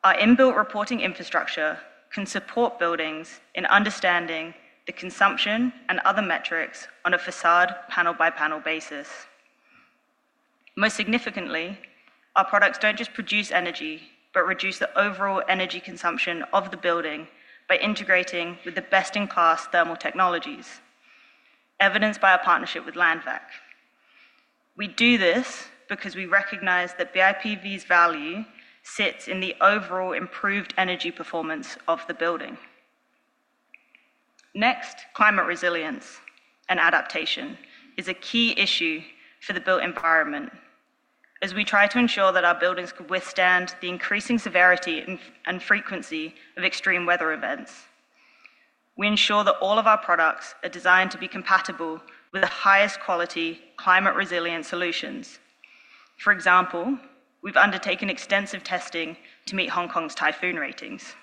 Our inbuilt reporting infrastructure can support buildings in understanding the consumption and other metrics on a facade panel-by-panel basis. Most significantly, our products don't just produce energy but reduce the overall energy consumption of the building by integrating with the best-in-class thermal technologies, evidenced by our partnership with LandVac. We do this because we recognize that BIPV's value sits in the overall improved energy performance of the building. Next, climate resilience and adaptation is a key issue for the built environment as we try to ensure that our buildings can withstand the increasing severity and frequency of extreme weather events. We ensure that all of our products are designed to be compatible with the highest quality climate-resilient solutions. For example, we've undertaken extensive testing to meet Hong Kong's typhoon ratings.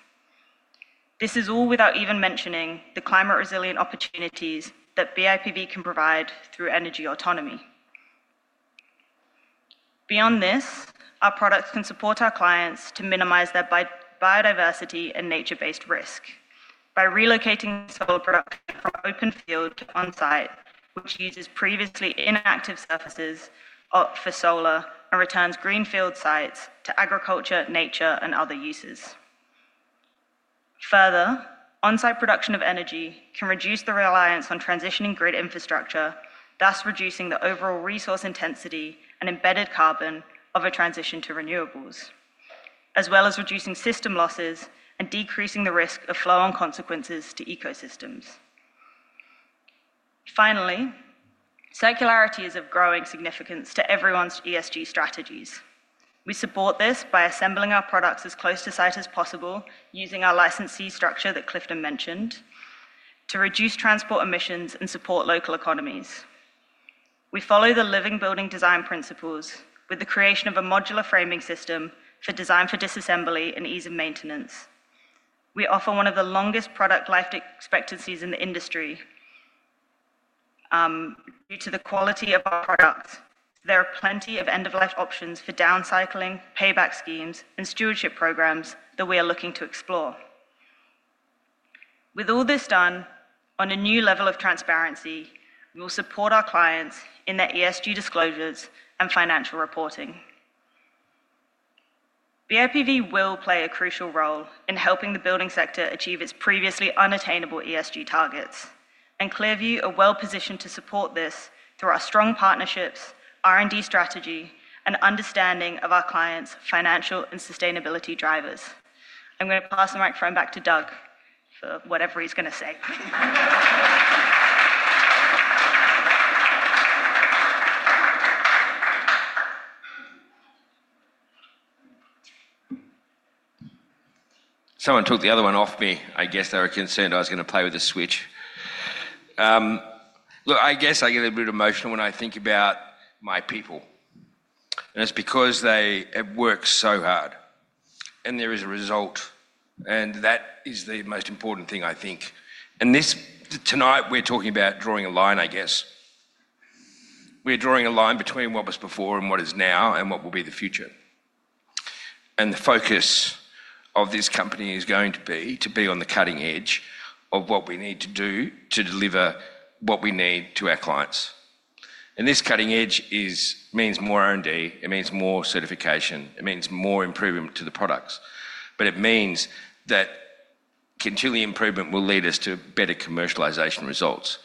This is all without even mentioning the climate-resilient opportunities that BIPV can provide through energy autonomy. Beyond this, our products can support our clients to minimize their biodiversity and nature-based risk by relocating several products from open field on-site, which uses previously inactive surfaces for solar and returns greenfield sites to agriculture, nature, and other uses. Further, on-site production of energy can reduce the reliance on transitioning grid infrastructure, thus reducing the overall resource intensity and embedded carbon of a transition to renewables, as well as reducing system losses and decreasing the risk of flow-on consequences to ecosystems. Finally, circularity is of growing significance to everyone's ESG strategies. We support this by assembling our products as close to site as possible, using our licensee structure that Clifton mentioned, to reduce transport emissions and support local economies. We follow the living building design principles with the creation of a modular framing system for design for disassembly and ease of maintenance. We offer one of the longest product life expectancies in the industry. Due to the quality of our products, there are plenty of end-of-life options for downcycling, payback schemes, and stewardship programs that we are looking to explore. With all this done, on a new level of transparency, we will support our clients in their ESG disclosures and financial reporting. BIPV will play a crucial role in helping the building sector achieve its previously unattainable ESG targets. ClearVue are well-positioned to support this through our strong partnerships, R&D strategy, and understanding of our clients' financial and sustainability drivers. I'm going to pass the microphone back to Doug for whatever he's going to say. Someone took the other one off me. I guess they were concerned I was going to play with the switch. Look, I guess I get a little bit emotional when I think about my people. It's because they have worked so hard, and there is a result. That is the most important thing, I think. This tonight, we're talking about drawing a line, I guess. We are drawing a line between what was before and what is now and what will be the future. The focus of this company is going to be to be on the cutting edge of what we need to do to deliver what we need to our clients. This cutting edge means more R&D. It means more certification. It means more improvement to the products. It means that continuing improvement will lead us to better commercialization results.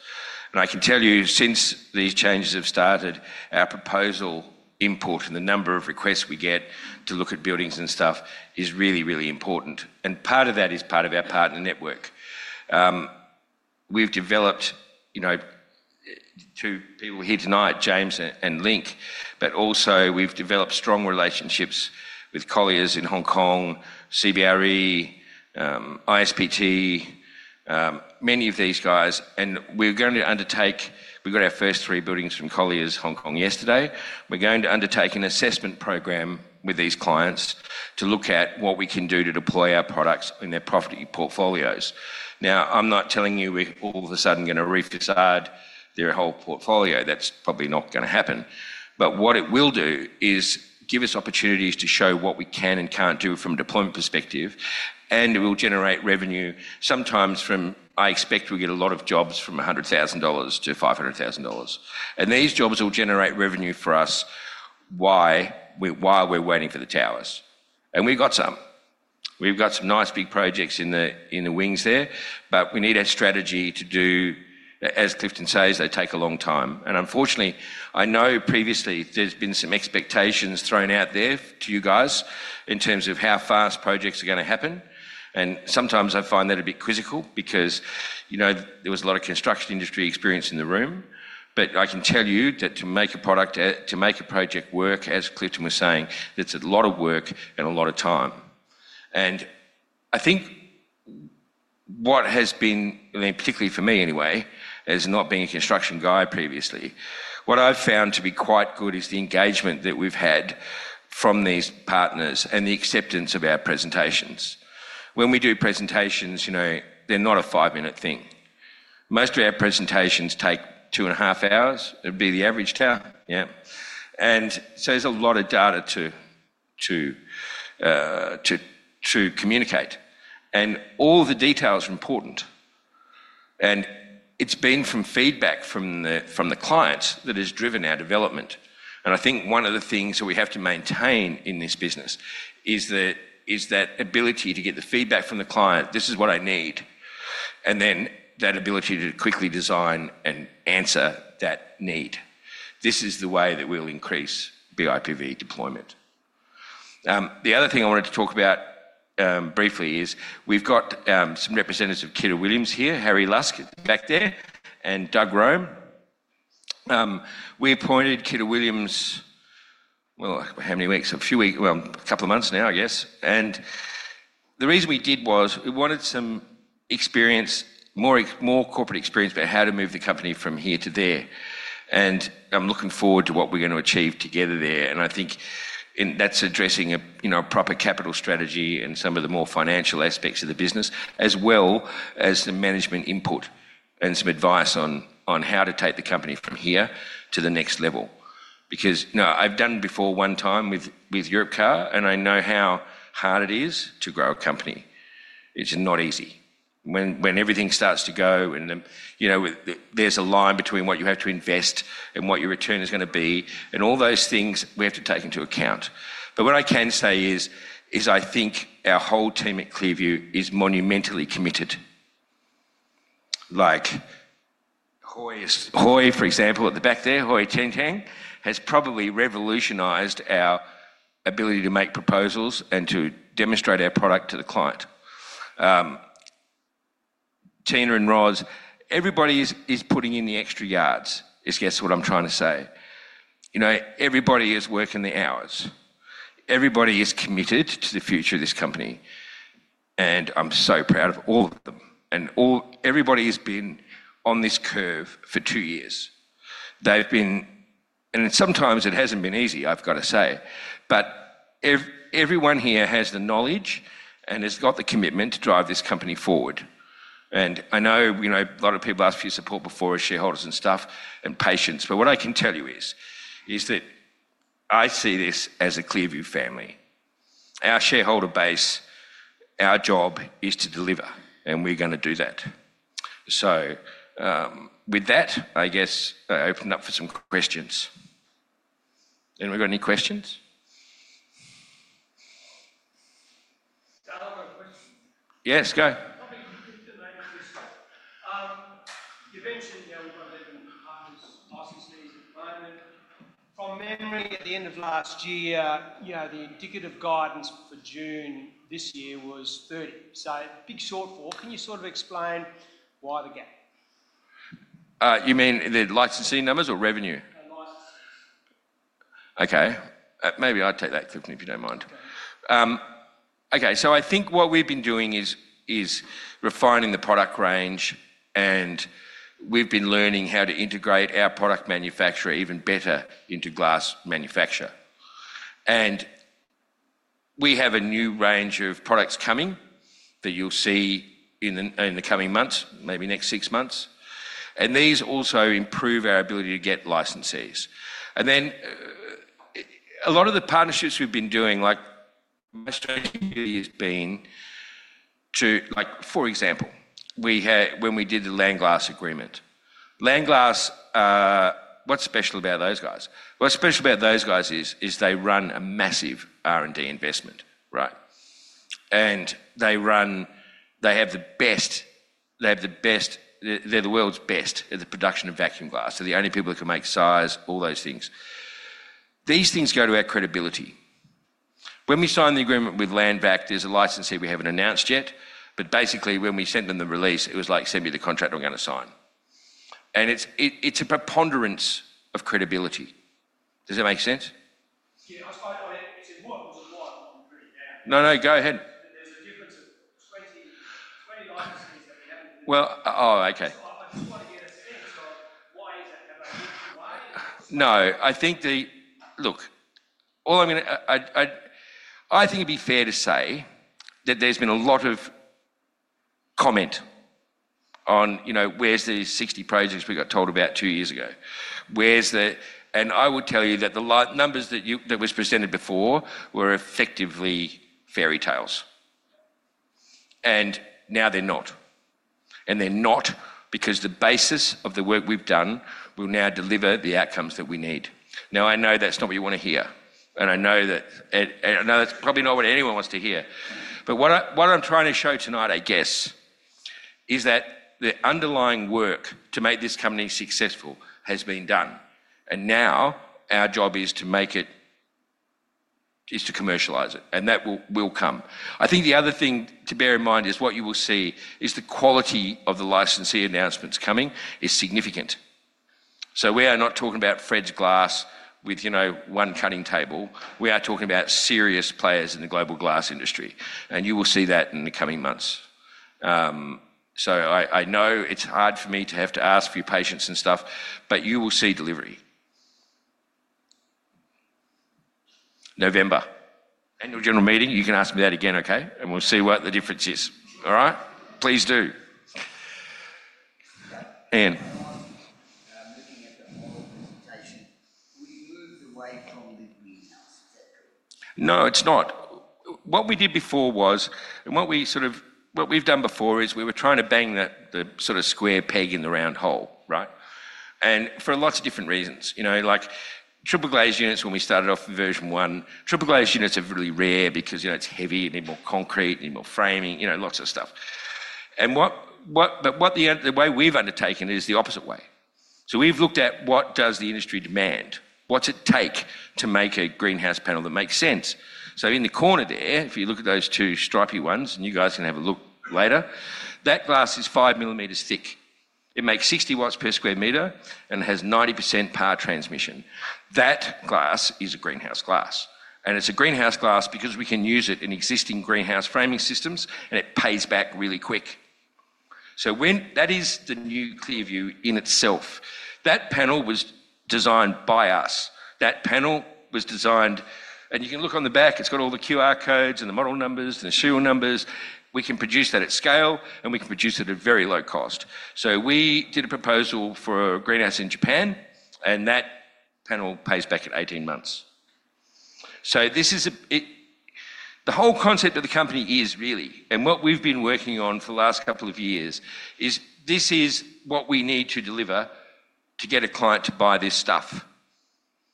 I can tell you, since these changes have started, our proposal input and the number of requests we get to look at buildings and stuff is really, really important. Part of that is part of our partner network. We've developed, you know, two people here tonight, James and Linc, but also we've developed strong relationships with Colliers in Hong Kong, CBRE, ISPT, many of these guys. We're going to undertake, we got our first three buildings from Colliers in Hong Kong yesterday. We're going to undertake an assessment program with these clients to look at what we can do to deploy our products in their property portfolios. I'm not telling you we're all of a sudden going to re-facade their whole portfolio. That's probably not going to happen. What it will do is give us opportunities to show what we can and can't do from a deployment perspective. It will generate revenue. Sometimes, I expect we get a lot of jobs from $100,000-$500,000. These jobs will generate revenue for us while we're waiting for the towers. We've got some nice big projects in the wings there, but we need a strategy to do, as Clifton says, they take a long time. Unfortunately, I know previously there's been some expectations thrown out there to you guys in terms of how fast projects are going to happen. Sometimes I find that a bit quizzical because, you know, there was a lot of construction industry experience in the room. I can tell you that to make a product, to make a project work, as Clifton was saying, that's a lot of work and a lot of time. I think what has been, particularly for me anyway, as not being a construction guy previously, what I've found to be quite good is the engagement that we've had from these partners and the acceptance of our presentations. When we do presentations, they're not a five-minute thing. Most of our presentations take two and a half hours. It'd be the average tower. Yeah. There's a lot of data to communicate, and all the details are important. It has been from feedback from the clients that has driven our development. I think one of the things that we have to maintain in this business is that ability to get the feedback from the client, this is what I need, and then that ability to quickly design and answer that need. This is the way that we'll increase BIPV deployment. The other thing I wanted to talk about briefly is we've got some representatives of Kita Williams here, Harry Lusk back there, and Doug Rome. We appointed Kita Williams a few weeks, a couple of months now, I guess. The reason we did was we wanted some experience, more corporate experience about how to move the company from here to there. I'm looking forward to what we're going to achieve together there. I think that's addressing a proper capital strategy and some of the more financial aspects of the business, as well as some management input and some advice on how to take the company from here to the next level. I've done it before one time with Europcar, and I know how hard it is to grow a company. It's not easy. When everything starts to go, there's a line between what you have to invest and what your return is going to be, and all those things we have to take into account. What I can say is, I think our whole team at ClearVue is monumentally committed. Like Hui, for example, at the back there, Hui Teng Tang, has probably revolutionized our ability to make proposals and to demonstrate our product to the client. Teun and Ros, everybody is putting in the extra yards, I guess what I'm trying to say. Everybody is working the hours. Everybody is committed to the future of this company. I'm so proud of all of them. Everybody has been on this curve for two years. Sometimes it hasn't been easy, I've got to say. Everyone here has the knowledge and has got the commitment to drive this company forward. I know a lot of people ask for your support before as shareholders and patience. What I can tell you is that I see this as a ClearVue family. Our shareholder base, our job is to deliver, and we're going to do that. With that, I guess I open up for some questions. Anyone got any questions? Yes, go. You mentioned the licenses at the moment. From memory, at the end of last year, the indicative guidance for June this year was 30. A big shortfall. Can you sort of explain why the gain? You mean the licensing numbers or revenue? Okay. Maybe I'd take that, Clifton, if you don't mind. Okay. I think what we've been doing is refining the product range, and we've been learning how to integrate our product manufacturer even better into glass manufacture. We have a new range of products coming that you'll see in the coming months, maybe next six months. These also improve our ability to get licenses. A lot of the partnerships we've been doing, like most of it has been to, like for example, we had when we did the LandGlass agreement. LandGlass, what's special about those guys? What's special about those guys is they run a massive R&D investment, right? They have the best, they're the world's best in the production of vacuum glass. They're the only people that can make size, all those things. These things go to our credibility. When we signed the agreement with LandVac, there's a license here we haven't announced yet, but basically when we sent them the release, it was like, "Send me the contract, I'm going to sign." It's a preponderance of credibility. Does that make sense? No, go ahead. I think it'd be fair to say that there's been a lot of comment on, you know, where's the 60 projects we got told about two years ago? Where's the, and I would tell you that the numbers that you, that was presented before were effectively fairy tales. Now they're not. They're not because the basis of the work we've done will now deliver the outcomes that we need. I know that's not what you want to hear. I know that's probably not what anyone wants to hear. What I'm trying to show tonight, I guess, is that the underlying work to make this company successful has been done. Now our job is to make it, is to commercialize it. That will come. I think the other thing to bear in mind is what you will see is the quality of the licensee announcements coming is significant. We are not talking about Fred's Glass with, you know, one cutting table. We are talking about serious players in the global glass industry. You will see that in the coming months. I know it's hard for me to have to ask for your patience and stuff, but you will see delivery. November. End of general meeting, you can ask me that again, okay? We'll see what the difference is. All right? Please do. [Ian]. [Yeah, I'm looking at the whole presentation. We moved away from the windows.] No, it's not. What we did before was, and what we've done before is we were trying to bang that sort of square peg in the round hole, right? For lots of different reasons, like triple glazed units, when we started off with version one, triple glazed units are really rare because it's heavy, you need more concrete, you need more framing, lots of stuff. What we've undertaken is the opposite way. We've looked at what does the industry demand, what's it take to make a greenhouse panel that makes sense. In the corner there, if you look at those two stripey ones, and you guys can have a look later, that glass is five millimeters thick. It makes 60 W/sq m and has 90% power transmission. That glass is a greenhouse glass. It's a greenhouse glass because we can use it in existing greenhouse framing systems, and it pays back really quick. That is the new ClearVue in itself. That panel was designed by us, and you can look on the back, it's got all the QR codes and the model numbers and the serial numbers. We can produce that at scale, and we can produce it at a very low cost. We did a proposal for a greenhouse in Japan, and that panel pays back at 18 months. This is the whole concept of the company, and what we've been working on for the last couple of years is this is what we need to deliver to get a client to buy this stuff.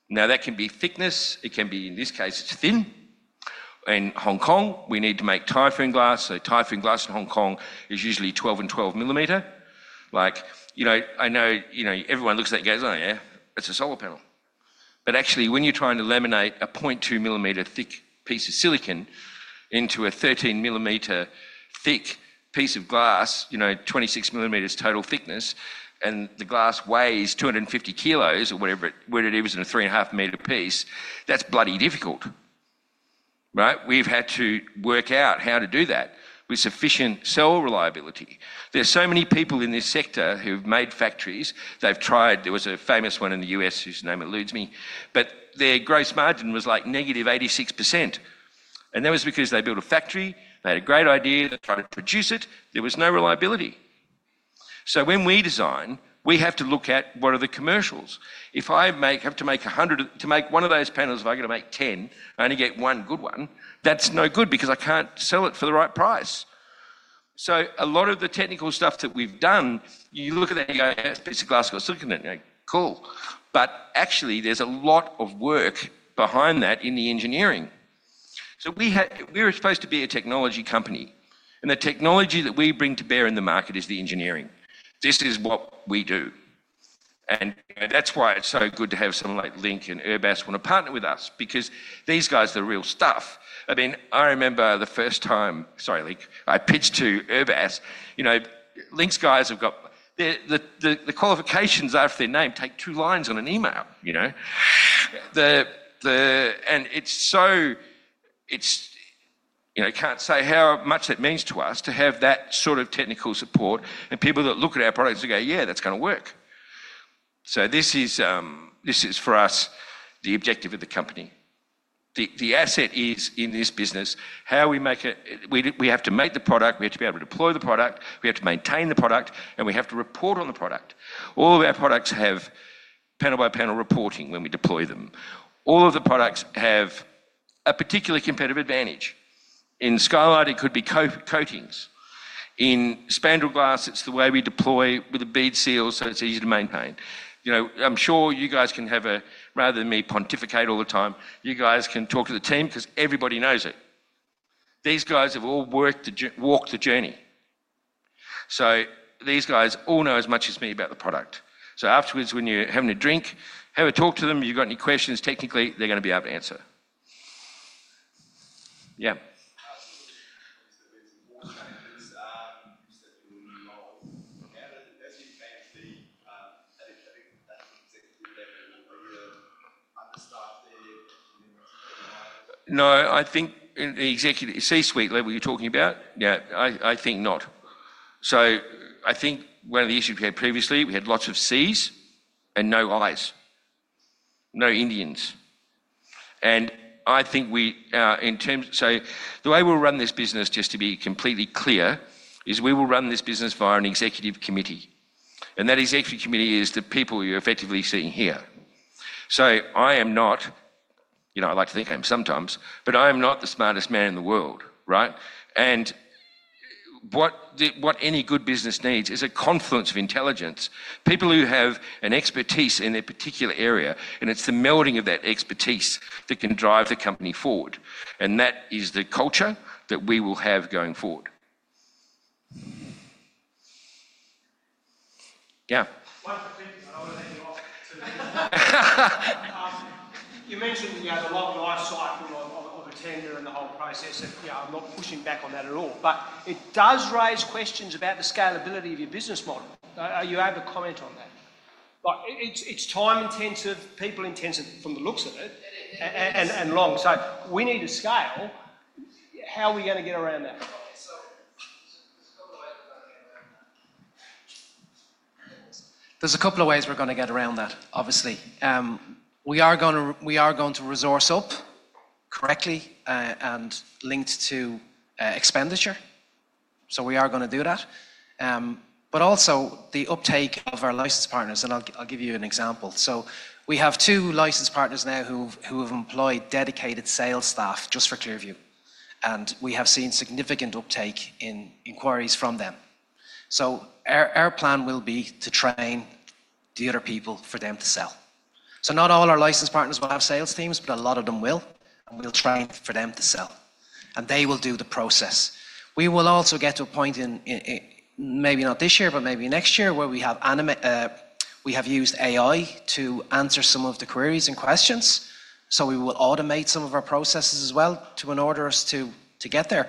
That can be thickness, it can be, in this case, it's thin. In Hong Kong, we need to make typhoon glass. Typhoon glass in Hong Kong is usually 12 mm x 12 mm I know everyone looks at it and goes, oh yeah, that's a solar panel. Actually, when you're trying to laminate a 0.2 mm thick piece of silicon into a 13 mm thick piece of glass, 26 mm total thickness, and the glass weighs 250 kg or whatever it is in a 3.5 m piece, that's bloody difficult. We've had to work out how to do that with sufficient cell reliability. There are so many people in this sector who've made factories, they've tried, there was a famous one in the U.S., whose name eludes me, but their gross margin was like -86%. That was because they built a factory, they had a great idea, they tried to produce it, there was no reliability. When we design, we have to look at what are the commercials. If I have to make a hundred to make one of those panels, if I've got to make 10, I only get one good one, that's no good because I can't sell it for the right price. A lot of the technical stuff that we've done, you look at that and go, yeah, it's a piece of glass, got silicon in it, cool. Actually, there's a lot of work behind that in the engineering. We're supposed to be a technology company, and the technology that we bring to bear in the market is the engineering. This is what we do. That's why it's so good to have someone like Linc and erbas want to partner with us because these guys are the real stuff. I remember the first time, sorry, Linc, I pitched to erbas, you know, Linc's guys have got the qualifications after their name take two lines on an email, you know? It's so, it's, you know, can't say how much it means to us to have that sort of technical support and people that look at our products and go, yeah, that's going to work. This is for us the objective of the company. The asset is in this business, how we make it, we have to make the product, we have to be able to deploy the product, we have to maintain the product, and we have to report on the product. All of our products have panel-by-panel reporting when we deploy them. All of the products have a particular competitive advantage. In skylight, it could be coatings. In spandrel glass, it's the way we deploy with a bead seal, so it's easy to maintain. I'm sure you guys can have a, rather than me pontificate all the time, you guys can talk to the team because everybody knows it. These guys have all worked to walk the journey. These guys all know as much as me about the product. Afterwards, when you're having a drink, have a talk to them, you've got any questions technically, they're going to be able to answer. Yeah. [Certain goals. That's your fancy thing.] No, I think in the executive C-suite level you're talking about, yeah, I think not. I think one of the issues we had previously, we had lots of C's and no I's. No Indians. I think we, in terms, the way we'll run this business, just to be completely clear, is we will run this business via an executive committee. That executive committee is the people you're effectively seeing here. I am not, you know, I like to think I am sometimes, but I am not the smartest man in the world, right? What any good business needs is a confluence of intelligence. People who have an expertise in a particular area, and it's the melding of that expertise that can drive the company forward. That is the culture that we will have going forward. Yeah. You mentioned the long lifecycle of the tender and the whole process, and I'm not pushing back on that at all, but it does raise questions about the scalability of your business model. Are you able to comment on that? It's time-intensive, people-intensive from the looks of it, and long. We need to scale. How are we going to get around that? There are a couple of ways we're going to get around that, obviously. We are going to resource up correctly and link to expenditure. We are going to do that, but also the uptake of our licensed partners, and I'll give you an example. We have two licensed partners now who have employed dedicated sales staff just for ClearVue. We have seen significant uptake in inquiries from them. Our plan will be to train the other people for them to sell. Not all our licensed partners will have sales teams, but a lot of them will, and we'll train for them to sell. They will do the process. We will also get to a point, maybe not this year, but maybe next year, where we have used AI to answer some of the queries and questions. We will automate some of our processes as well in order to get there.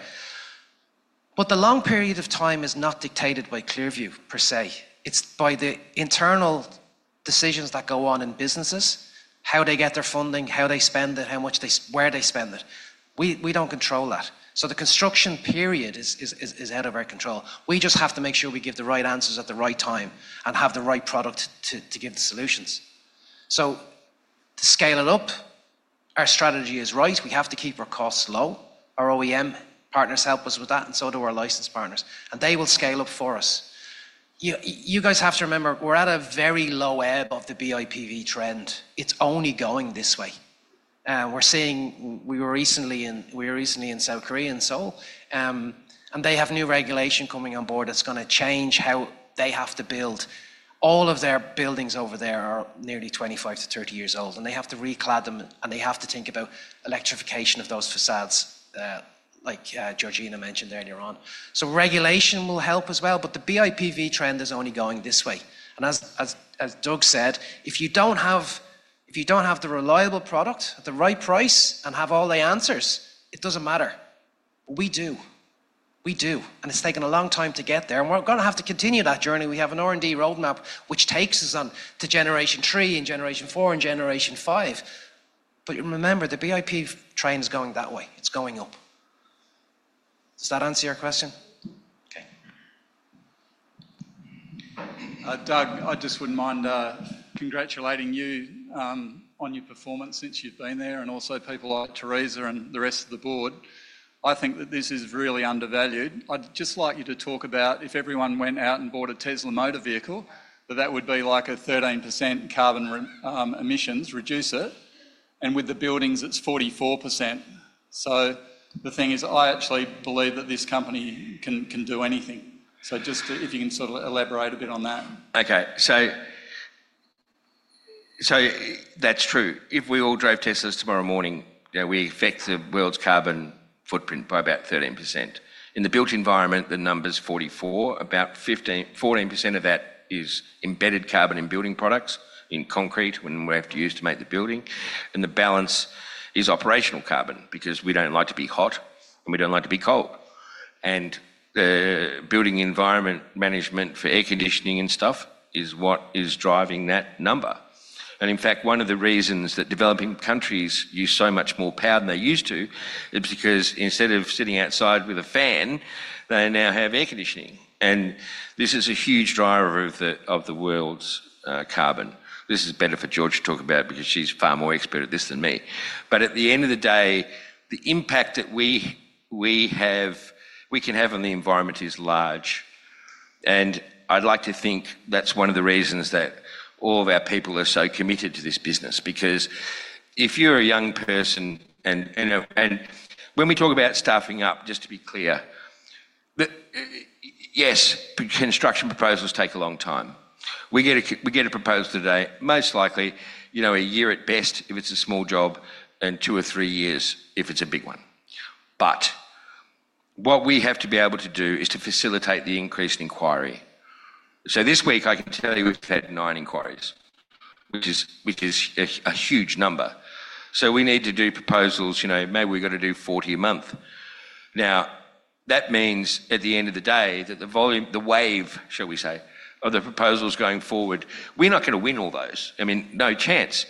The long period of time is not dictated by ClearVue per se. It's by the internal decisions that go on in businesses, how they get their funding, how they spend it, where they spend it. We don't control that. The construction period is out of our control. We just have to make sure we give the right answers at the right time and have the right product to give the solutions. To scale it up, our strategy is right. We have to keep our costs low. Our OEM partners help us with that, and so do our licensed partners. They will scale up for us. You guys have to remember, we're at a very low ebb of the BIPV trend. It's only going this way. We were recently in South Korea and Seoul, and they have new regulation coming on board that's going to change how they have to build. All of their buildings over there are nearly 25-30 years old, and they have to reclad them, and they have to think about electrification of those facades, like Georgina mentioned earlier on. Regulation will help as well, but the BIPV trend is only going this way. As Doug said, if you don't have the reliable product at the right price and have all the answers, it doesn't matter. We do. We do, and it's taken a long time to get there. We're going to have to continue that journey. We have an R&D roadmap which takes us on to generation three and generation four and generation five. Remember, the BIPV trend is going that way. It's going up. Does that answer your question? Okay. Doug, I just wouldn't mind congratulating you on your performance since you've been there, and also people like Theresa and the rest of the board. I think that this is really undervalued. I'd just like you to talk about if everyone went out and bought a Tesla motor vehicle, that that would be like a 13% carbon emissions reducer. With the buildings, it's 44%. The thing is, I actually believe that this company can do anything. If you can sort of elaborate a bit on that. Okay. That's true. If we all drove Teslas tomorrow morning, we affect the world's carbon footprint by about 13%. In the built environment, the number's 44%. About 14% of that is embedded carbon in building products, in concrete, which we have to use to make the building. The balance is operational carbon because we don't like to be hot and we don't like to be cold. The building environment management for air conditioning and stuff is what is driving that number. In fact, one of the reasons that developing countries use so much more power than they used to is because instead of sitting outside with a fan, they now have air conditioning. This is a huge driver of the world's carbon. This is better for Georgina to talk about because she's far more expert at this than me. At the end of the day, the impact that we have, we can have on the environment is large. I'd like to think that's one of the reasons that all of our people are so committed to this business because if you're a young person, and when we talk about staffing up, just to be clear, yes, construction proposals take a long time. We get a proposal today, most likely, a year at best if it's a small job and two or three years if it's a big one. What we have to be able to do is to facilitate the increase in inquiry. This week, I can tell you we've had nine inquiries, which is a huge number. We need to do proposals, maybe we've got to do 40 a month. That means at the end of the day, the volume, the wave, shall we say, of the proposals going forward, we're not going to win all those. No chance.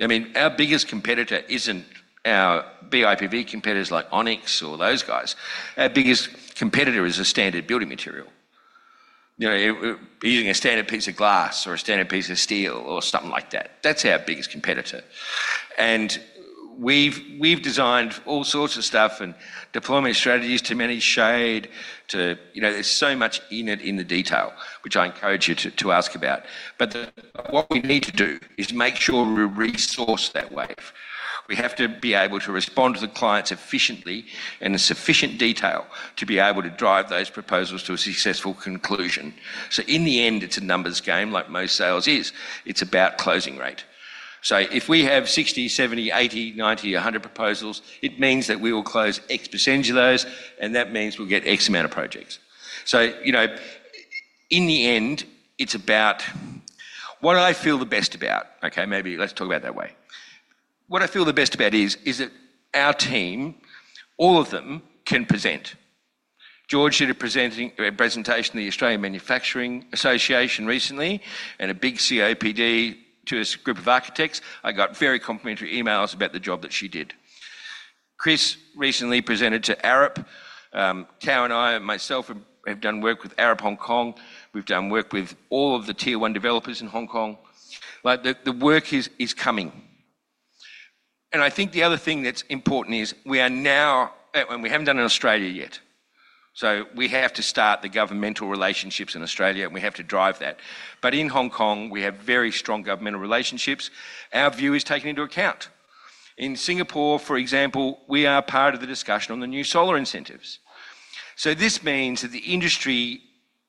Our biggest competitor isn't our BIPV competitors like Onyx or those guys. Our biggest competitor is a standard building material. Using a standard piece of glass or a standard piece of steel or something like that. That's our biggest competitor. We've designed all sorts of stuff and deployment strategies to many shade to, there's so much in it in the detail, which I encourage you to ask about. What we need to do is make sure we resource that wave. We have to be able to respond to the clients efficiently and in sufficient detail to be able to drive those proposals to a successful conclusion. In the end, it's a numbers game, like most sales is, it's about closing rate. If we have 60, 70, 80, 90, 100 proposals, it means that we will close X% of those, and that means we'll get X amount of projects. In the end, it's about what I feel the best about. Maybe let's talk about it that way. What I feel the best about is that our team, all of them, can present. Georgina did a presentation to the Australian Manufacturing Association recently and a big CPD to a group of architects. I got very complimentary emails about the job that she did. Chris recently presented to AREP. Tao and I and myself have done work with AREP Hong Kong. We've done work with all of the tier one developers in Hong Kong. The work is coming. The other thing that's important is we are now, and we haven't done it in Australia yet. We have to start the governmental relationships in Australia, and we have to drive that. In Hong Kong, we have very strong governmental relationships. Our view is taken into account. In Singapore, for example, we are part of the discussion on the new solar incentives. This means that the industry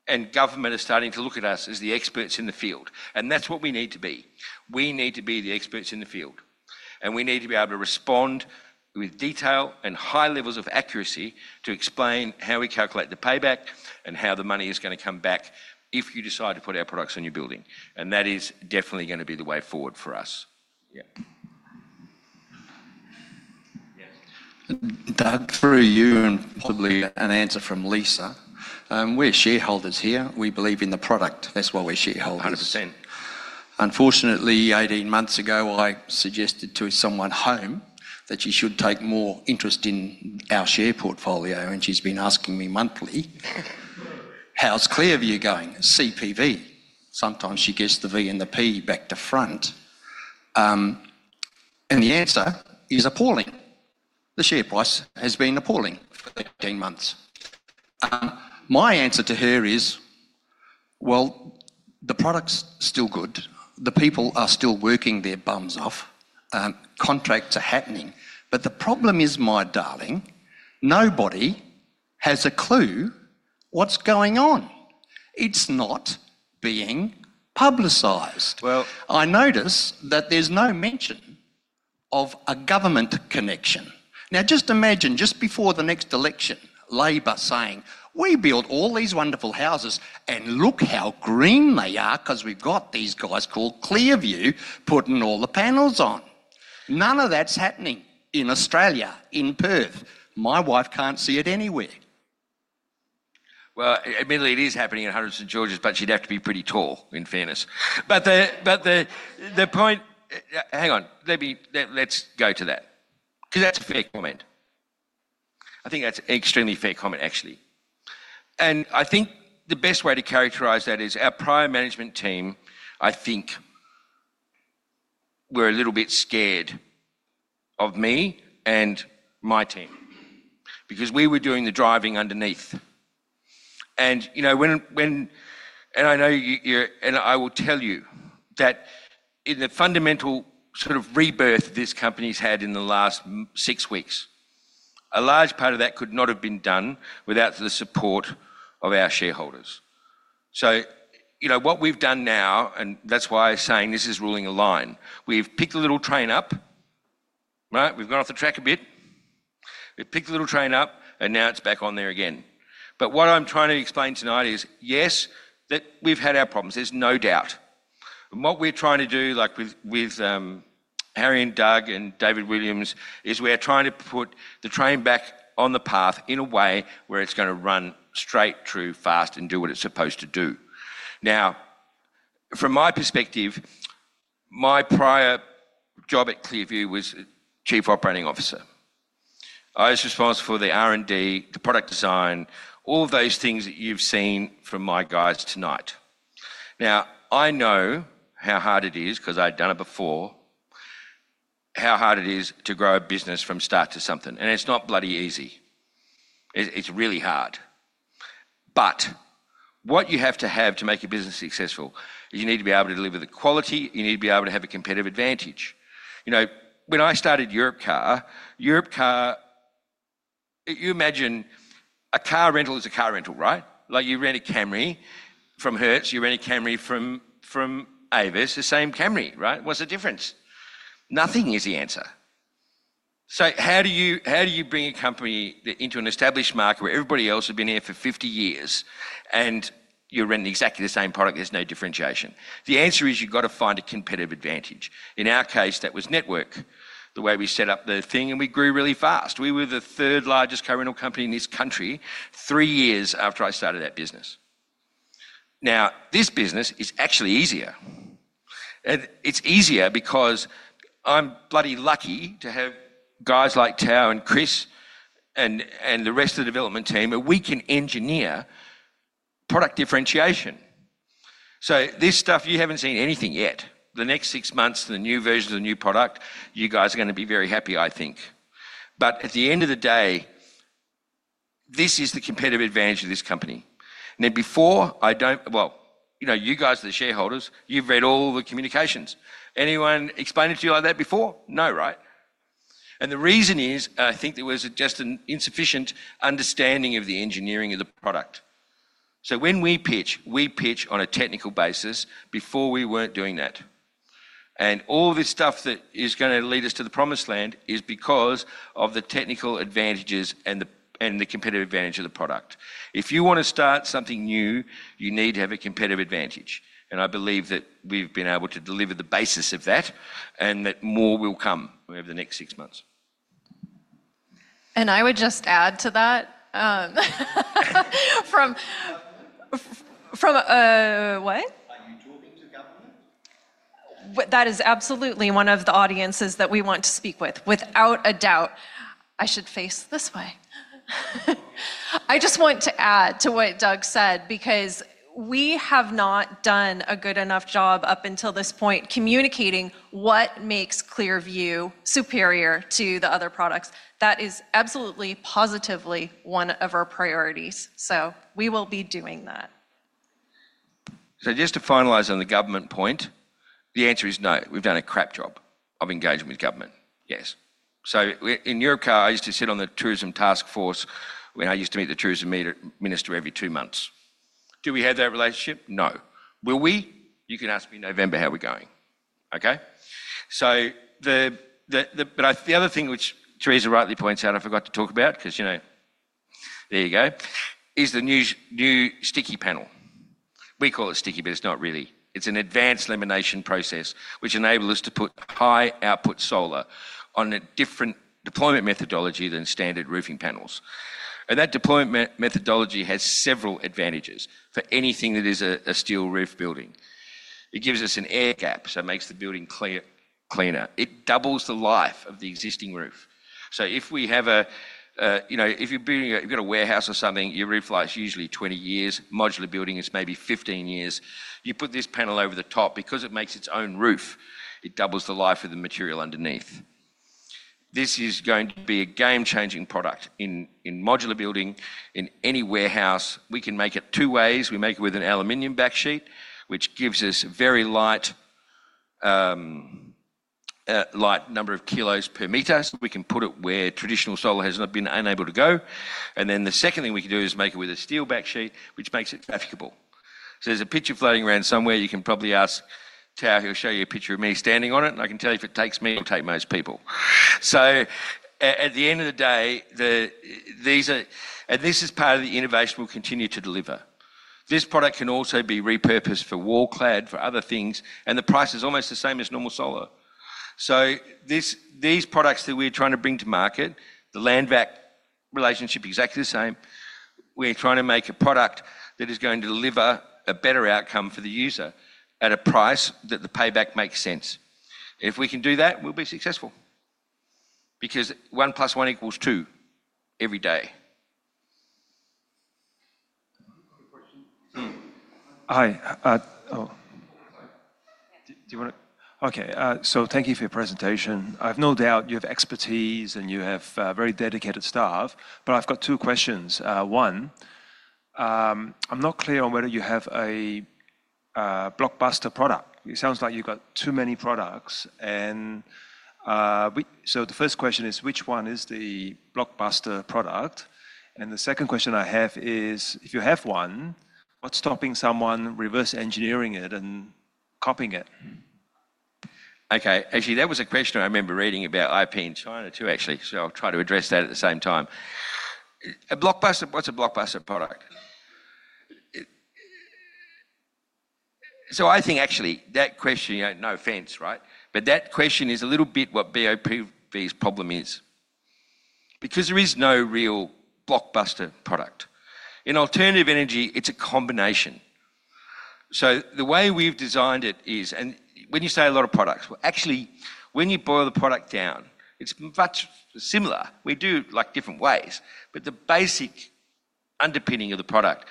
and government are starting to look at us as the experts in the field. That's what we need to be. We need to be the experts in the field. We need to be able to respond with detail and high levels of accuracy to explain how we calculate the payback and how the money is going to come back if you decide to put our products on your building. That is definitely going to be the way forward for us. Yeah. Doug, through you and probably an answer from Lisa. We're shareholders here. We believe in the product. That's why we're shareholders. 100 percent. Unfortunately, 18 months ago, I suggested to someone at home that she should take more interest in our share portfolio, and she's been asking me monthly, "How's ClearVue going? CPV?" Sometimes she gets the V and the P back to front. The answer is appalling. The share price has been appalling for 13 months. My answer to her is, the product's still good. The people are still working their bums off. Contracts are happening. The problem is, my darling, nobody has a clue what's going on. It's not being publicized. Well. (crosstalk) I notice that there's no mention of a government connection. Now, just imagine, just before the next election, Labor saying, "We build all these wonderful houses, and look how green they are because we've got these guys called ClearVue putting all the panels on." None of that's happening in Australia, in Perth. My wife can't see it anywhere. Admittedly, it is happening in 100 St. George, but she'd have to be pretty tall, in fairness. The point, hang on, let's go to that. Because that's a fair comment. I think that's an extremely fair comment, actually. I think the best way to characterize that is our prior management team, I think, were a little bit scared of me and my team because we were doing the driving underneath. You know, when, and I know you're, and I will tell you that in the fundamental sort of rebirth this company's had in the last six weeks, a large part of that could not have been done without the support of our shareholders. You know, what we've done now, and that's why I'm saying this is ruling a line, we've picked the little train up, right? We've gone off the track a bit. We've picked the little train up, and now it's back on there again. What I'm trying to explain tonight is, yes, we've had our problems. There's no doubt. What we're trying to do, like with Harry, Doug, and David Williams, is we are trying to put the train back on the path in a way where it's going to run straight, true, fast, and do what it's supposed to do. From my perspective, my prior job at ClearVue was Chief Operating Officer. I was responsible for the R&D, the product design, all of those things that you've seen from my guys tonight. I know how hard it is because I'd done it before, how hard it is to grow a business from start to something. It's not bloody easy. It's really hard. What you have to have to make your business successful is you need to be able to deliver the quality. You need to be able to have a competitive advantage. You know, when I started Europcar, you imagine a car rental is a car rental, right? Like you rent a Camry from Hertz, you rent a Camry from Avis. The same Camry, right? What's the difference? Nothing is the answer. How do you bring a company into an established market where everybody else has been here for 50 years and you're renting exactly the same product? There's no differentiation. The answer is you've got to find a competitive advantage. In our case, that was network, the way we set up the thing, and we grew really fast. We were the third largest car rental company in this country three years after I started that business. This business is actually easier. It's easier because I'm bloody lucky to have guys like Tao and Chris and the rest of the development team, and we can engineer product differentiation. This stuff, you haven't seen anything yet. The next six months, the new version of the new product, you guys are going to be very happy, I think. At the end of the day, this is the competitive advantage of this company. Now, you know, you guys are the shareholders, you've read all the communications. Anyone explain it to you like that before? No, right? The reason is, and I think there was just an insufficient understanding of the engineering of the product. When we pitch, we pitch on a technical basis. Before, we weren't doing that. All of this stuff that is going to lead us to the promised land is because of the technical advantages and the competitive advantage of the product. If you want to start something new, you need to have a competitive advantage. I believe that we've been able to deliver the basis of that, and that more will come over the next six months. I would just add to that, from a, what? That is absolutely one of the audiences that we want to speak with. Without a doubt, I should face this way. I just want to add to what Doug said because we have not done a good enough job up until this point communicating what makes ClearVue superior to the other products. That is absolutely positively one of our priorities. We will be doing that. Just to finalize on the government point, the answer is no. We've done a crap job of engaging with government. Yes. In Europcar, I used to sit on the Tourism Task Force when I used to meet the Tourism Minister every two months. Do we have that relationship? No. Will we? You can ask me in November how we're going. The other thing which Theresa rightly points out I forgot to talk about, because you know, there you go, is the new sticky panel. We call it sticky, but it's not really. It's an advanced lamination process which enables us to put high output solar on a different deployment methodology than standard roofing panels. That deployment methodology has several advantages for anything that is a steel roof building. It gives us an air gap, so it makes the building cleaner. It doubles the life of the existing roof. If you have a, you know, if you're building a, you've got a warehouse or something, your roof life is usually 20 years. Modular building, it's maybe 15 years. You put this panel over the top, because it makes its own roof, it doubles the life of the material underneath. This is going to be a game-changing product in modular building, in any warehouse. We can make it two ways. We make it with an aluminum back sheet, which gives us a very light number of kilos per meter. We can put it where traditional solar has not been able to go. The second thing we can do is make it with a steel back sheet, which makes it trafficable. There's a picture floating around somewhere. You can probably ask Tao, he'll show you a picture of me standing on it. I can tell you if it takes me, it'll take most people. At the end of the day, these are, and this is part of the innovation we'll continue to deliver. This product can also be repurposed for wall clad, for other things, and the price is almost the same as normal solar. These products that we're trying to bring to market, the LandVac relationship is exactly the same. We're trying to make a product that is going to deliver a better outcome for the user at a price that the payback makes sense. If we can do that, we'll be successful. Because 1 + 1 = 2 every day. Thank you for your presentation. I have no doubt you have expertise and you have very dedicated staff, but I've got two questions. One, I'm not clear on whether you have a blockbuster product. It sounds like you've got too many products. The first question is, which one is the blockbuster product? The second question I have is, if you have one, what's stopping someone reverse engineering it and copying it? Okay, actually, that was a question I remember reading about IP in China too, actually. I'll try to address that at the same time. A blockbuster, what's a blockbuster product? I think actually that question, you know, no offense, right? That question is a little bit what BIPV's problem is, because there is no real blockbuster product. In alternative energy, it's a combination. The way we've designed it is, and when you say a lot of products, actually, when you boil the product down, it's much similar. We do like different ways, but the basic underpinning of the product.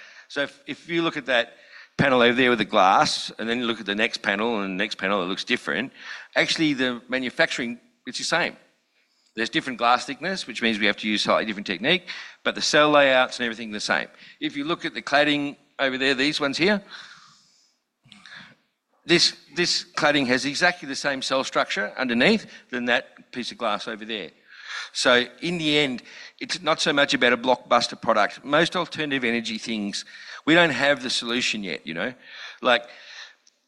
If you look at that panel over there with the glass, and then you look at the next panel and the next panel that looks different, actually, the manufacturing, it's the same. There's different glass thickness, which means we have to use slightly different technique, but the cell layouts and everything are the same. If you look at the cladding over there, these ones here, this cladding has exactly the same cell structure underneath than that piece of glass over there. In the end, it's not so much about a blockbuster product. Most alternative energy things, we don't have the solution yet, you know.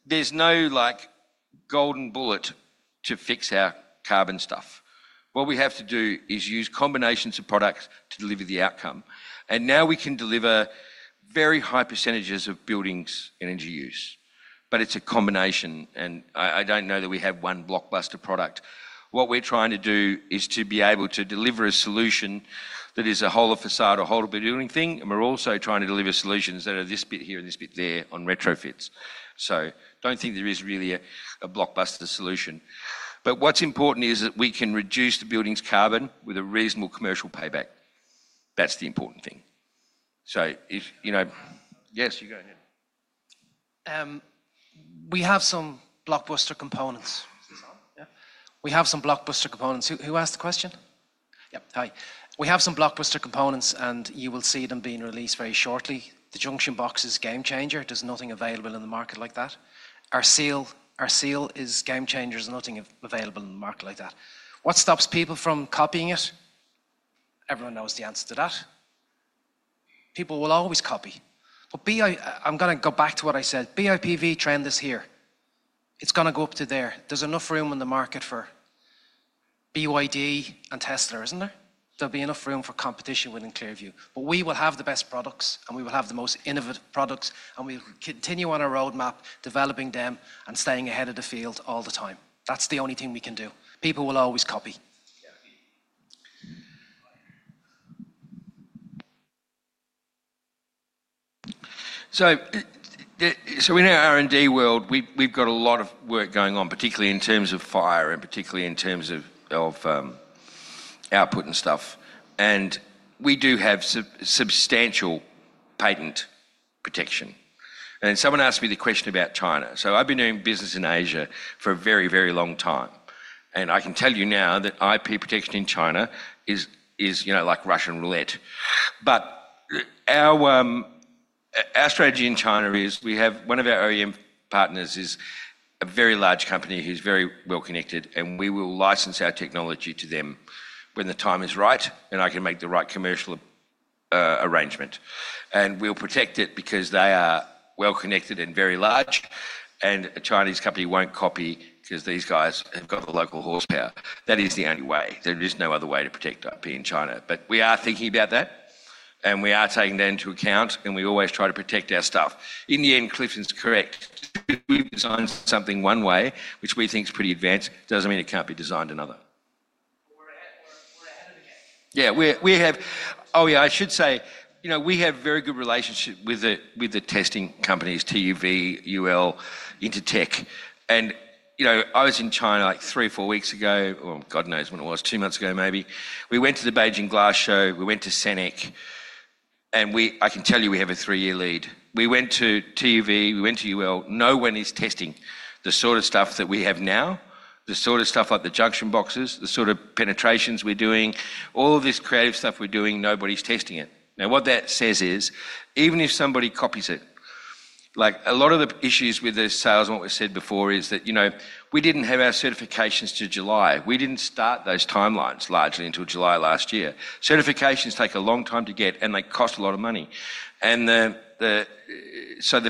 There's no like golden bullet to fix our carbon stuff. What we have to do is use combinations of products to deliver the outcome. Now we can deliver very high percentages of buildings' energy use. It's a combination, and I don't know that we have one blockbuster product. What we're trying to do is to be able to deliver a solution that is a whole of facade, a whole of building thing, and we're also trying to deliver solutions that are this bit here and this bit there on retrofits. I don't think there is really a blockbuster solution. What's important is that we can reduce the building's carbon with a reasonable commercial payback. That's the important thing. If, you know, yes, you go ahead. We have some blockbuster components. Yeah, we have some blockbuster components. Who asked the question? Yeah, hi. We have some blockbuster components, and you will see them being released very shortly. The junction box is a game changer. There's nothing available in the market like that. Our seal is a game changer. There's nothing available in the market like that. What stops people from copying it? Everyone knows the answer to that. People will always copy. I'm going to go back to what I said. BIPV trend is here. It's going to go up to there. There's enough room in the market for BYD and Tesla, isn't there? There'll be enough room for competition within ClearVue. We will have the best products, and we will have the most innovative products, and we will continue on our roadmap developing them and staying ahead of the field all the time. That's the only thing we can do. People will always copy. In our R&D world, we've got a lot of work going on, particularly in terms of fire and particularly in terms of output and stuff. We do have substantial patent protection. Someone asked me the question about China. I've been doing business in Asia for a very, very long time. I can tell you now that IP protection in China is, you know, like Russian roulette. Our strategy in China is we have one of our OEM partners who is a very large company who's very well connected, and we will license our technology to them when the time is right, and I can make the right commercial arrangement. We'll protect it because they are well connected and very large, and a Chinese company won't copy because these guys have got the local horsepower. That is the only way. There is no other way to protect IP in China. We are thinking about that, and we are taking that into account, and we always try to protect our stuff. In the end, Clifton's correct. We've designed something one way, which we think is pretty advanced. It doesn't mean it can't be designed another. Yeah, we have, oh yeah, I should say, you know, we have a very good relationship with the testing companies, TUV, UL, Intertek. I was in China like three or four weeks ago, or God knows when it was, two months ago maybe. We went to the Beijing glass show, we went to CENEC, and I can tell you we have a three-year lead. We went to TUV, we went to UL, no one is testing the sort of stuff that we have now, the sort of stuff like the junction boxes, the sort of penetrations we're doing, all of this creative stuff we're doing, nobody's testing it. What that says is, even if somebody copies it, like a lot of the issues with the sales and what we said before is that, you know, we didn't have our certifications to July. We didn't start those timelines largely until July last year. Certifications take a long time to get, and they cost a lot of money. The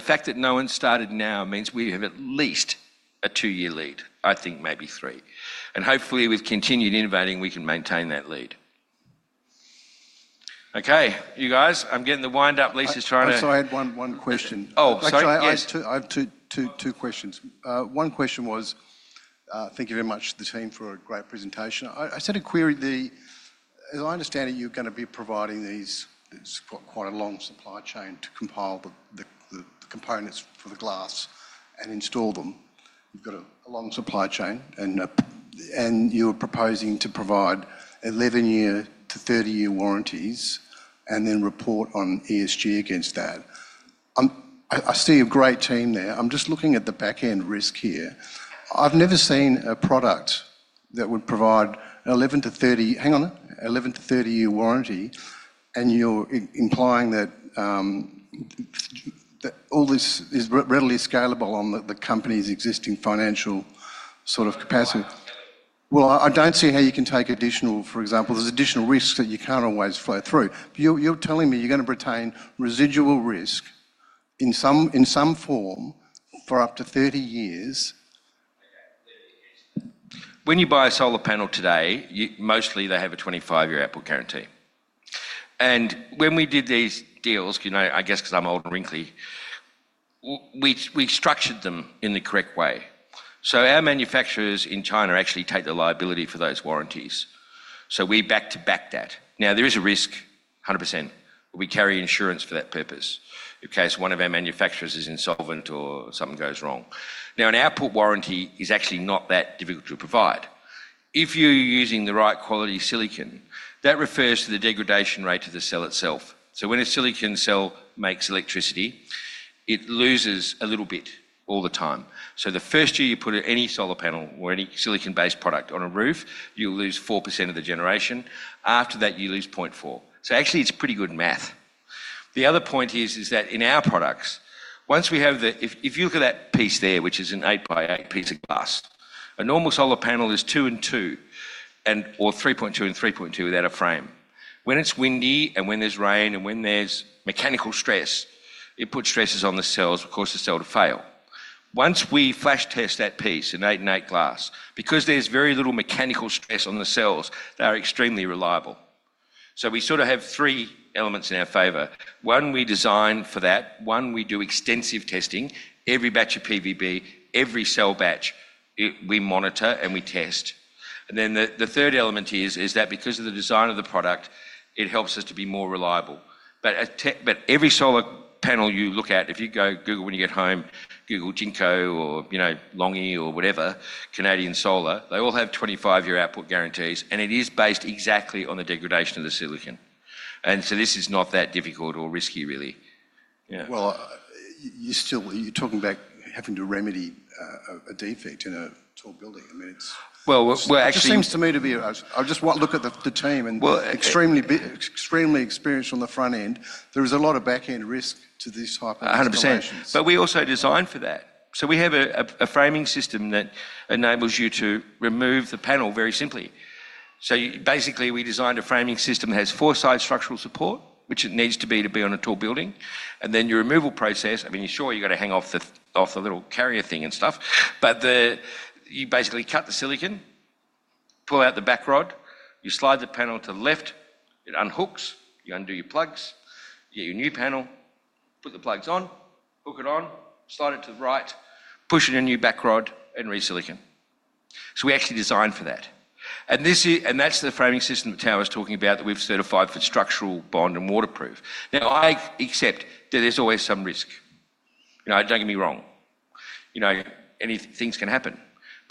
fact that no one started now means we have at least a two-year lead, I think maybe three. Hopefully with continued innovating, we can maintain that lead. Okay, you guys, I'm getting the wind up. Lisa's trying to. (crosstalk) I have one question. Oh, sorry. I have two questions. One question was, thank you very much, the team, for a great presentation. I said a query, as I understand it, you're going to be providing these, it's quite a long supply chain to compile the components for the glass and install them. You've got a long supply chain, and you are proposing to provide 11-year to 30-year warranties and then report on ESG against that. I see a great team there. I'm just looking at the backend risk here. I've never seen a product that would provide an 11-30, hang on, 11 to 30-year warranty, and you're implying that all this is readily scalable on the company's existing financial sort of capacity. I don't see how you can take additional, for example, there's additional risks that you can't always flow through. You're telling me you're going to retain residual risk in some form for up to 30 years. When you buy a solar panel today, mostly they have a 25-year output guarantee. When we did these deals, because I'm old and wrinkly, we've structured them in the correct way. Our manufacturers in China actually take the liability for those warranties, so we back to back that. There is a risk, 100%. We carry insurance for that purpose in case one of our manufacturers is insolvent or something goes wrong. An output warranty is actually not that difficult to provide. If you're using the right quality silicon, that refers to the degradation rate of the cell itself. When a silicon cell makes electricity, it loses a little bit all the time. The first year you put any solar panel or any silicon-based product on a roof, you'll lose 4% of the generation. After that, you lose 0.4%. It's pretty good math. The other point is that in our products, once we have the, if you look at that piece there, which is an eight by eight piece of glass, a normal solar panel is two and two, or 3.2 and 3.2 without a frame. When it's windy and when there's rain and when there's mechanical stress, it puts stresses on the cells and causes the cell to fail. Once we flash test that piece, an eight and eight glass, because there's very little mechanical stress on the cells, they are extremely reliable. We sort of have three elements in our favor. One, we design for that. One, we do extensive testing. Every batch of PVB, every cell batch, we monitor and we test. The third element is that because of the design of the product, it helps us to be more reliable. Every solar panel you look at, if you go google when you get home, google Jinko or LONGi or Canadian Solar, they all have 25-year output guarantees, and it is based exactly on the degradation of the silicon. This is not that difficult or risky, really. Yeah. You're talking about having to remedy a defect in a tall building. I mean, it's. (crosstalk) We're actually. (crosstalk) It just seems to me to be, I just want to look at the team and extremely, extremely experienced on the front end. There is a lot of backend risk to this type of operations. 100%. We also design for that. We have a framing system that enables you to remove the panel very simply. Basically, we designed a framing system that has four sides structural support, which it needs to be to be on a tall building. Your removal process, I mean, you're sure you've got to hang off the little carrier thing and stuff. You basically cut the silicon, pull out the back rod, you slide the panel to the left, it unhooks, you undo your plugs, you get your new panel, put the plugs on, hook it on, slide it to the right, push in a new back rod, and re-silicon. We actually designed for that. That's the framing system that Tao was talking about that we've certified for structural bond and waterproof. I accept that there's always some risk. Don't get me wrong. Things can happen.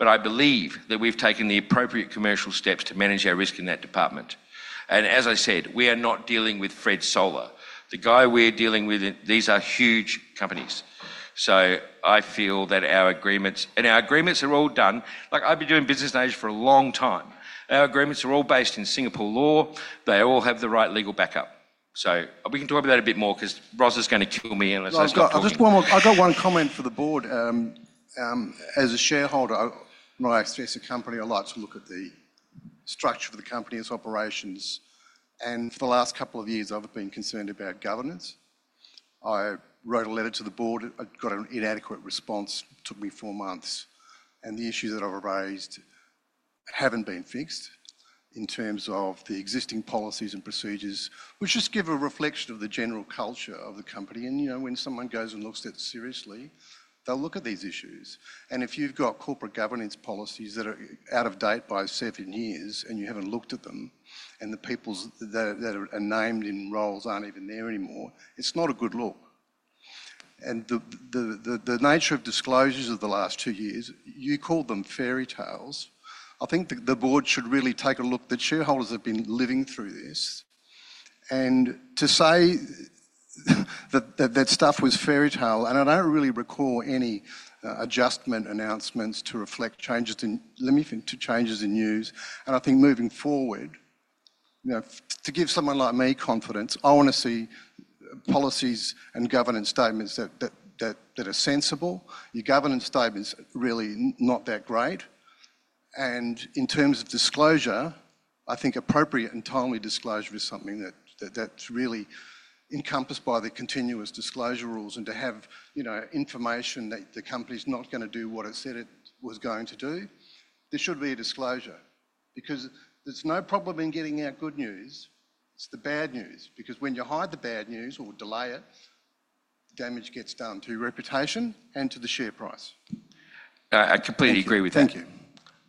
I believe that we've taken the appropriate commercial steps to manage our risk in that department. As I said, we are not dealing with Fred Solar. The guy we're dealing with, these are huge companies. I feel that our agreements, and our agreements are all done. I've been doing business in Asia for a long time. Our agreements are all based in Singapore law. They all have the right legal backup. We can talk about it a bit more because Ross is going to kill me unless I. (crosstalk) I've got one comment for the board. As a shareholder, when I assess a company, I like to look at the structure of the company's operations. For the last couple of years, I've been concerned about governance. I wrote a letter to the board. I got an inadequate response. It took me four months. The issues that I've raised haven't been fixed in terms of the existing policies and procedures, which just give a reflection of the general culture of the company. You know, when someone goes and looks at it seriously, they'll look at these issues. If you've got corporate governance policies that are out of date by seven years and you haven't looked at them, and the people that are named in roles aren't even there anymore, it's not a good look. The nature of disclosures of the last two years, you call them fairy tales. I think the board should really take a look at the shareholders that have been living through this. To say that that stuff was fairy tale, and I don't really recall any adjustment announcements to reflect changes in, let me think, to changes in use. I think moving forward, to give someone like me confidence, I want to see policies and governance statements that are sensible. Your governance statement is really not that great. In terms of disclosure, I think appropriate and timely disclosure is something that's really encompassed by the continuous disclosure rules. To have information that the company's not going to do what it said it was going to do, there should be a disclosure. There's no problem in getting out good news. It's the bad news. When you hide the bad news or delay it, damage gets done to your reputation and to the share price. I completely agree with that. Thank you.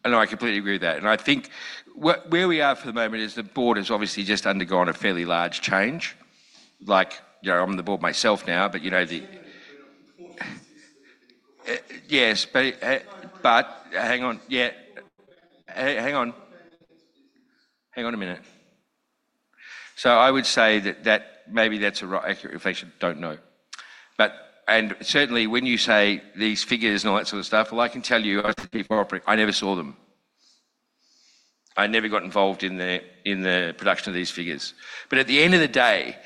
I completely agree with that. I think where we are for the moment is the board has obviously just undergone a fairly large change. I'm on the board myself now, but yes, hang on. Hang on a minute. I would say that maybe that's an accurate reflection. Don't know. Certainly, when you say these figures and all that sort of stuff, I can tell you I never saw them. I never got involved in the production of these figures. At the end of the day,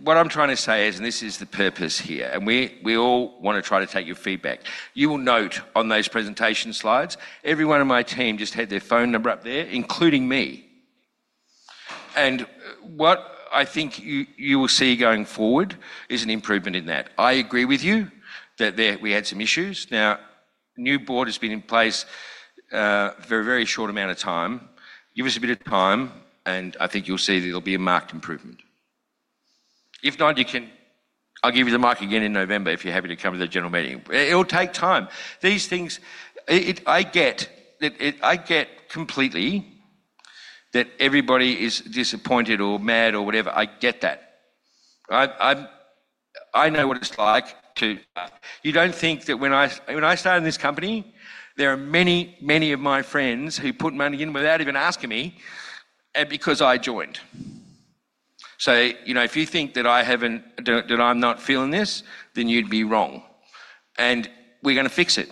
what I'm trying to say is, and this is the purpose here, we all want to try to take your feedback. You will note on those presentation slides, everyone on my team just had their phone number up there, including me. What I think you will see going forward is an improvement in that. I agree with you that we had some issues. Now, a new board has been in place for a very short amount of time. Give us a bit of time, and I think you'll see that there'll be a marked improvement. If not, I'll give you the mark again in November if you're happy to come to the general meeting. It'll take time. These things, I get that, I get completely that everybody is disappointed or mad or whatever. I get that. I know what it's like to, you don't think that when I started in this company, there are many, many of my friends who put money in without even asking me because I joined. If you think that I haven't, that I'm not feeling this, then you'd be wrong. We're going to fix it.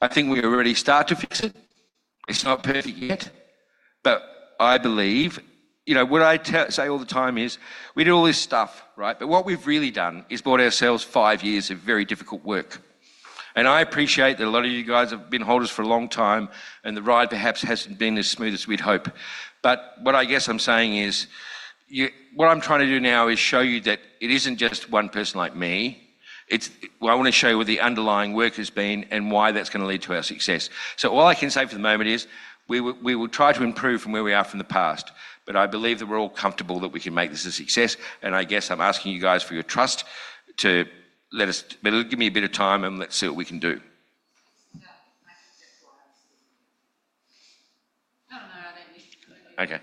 I think we already start to fix it. It's not perfect yet. I believe, you know, what I say all the time is we do all this stuff, right? What we've really done is bought ourselves five years of very difficult work. I appreciate that a lot of you guys have been holders for a long time, and the ride perhaps hasn't been as smooth as we'd hope. What I guess I'm saying is, what I'm trying to do now is show you that it isn't just one person like me. I want to show you what the underlying work has been and why that's going to lead to our success. All I can say for the moment is we will try to improve from where we are from the past. I believe that we're all comfortable that we can make this a success. I guess I'm asking you guys for your trust to let us, but give me a bit of time and let's see what we can do. [I don't know. I don't use.] Okay.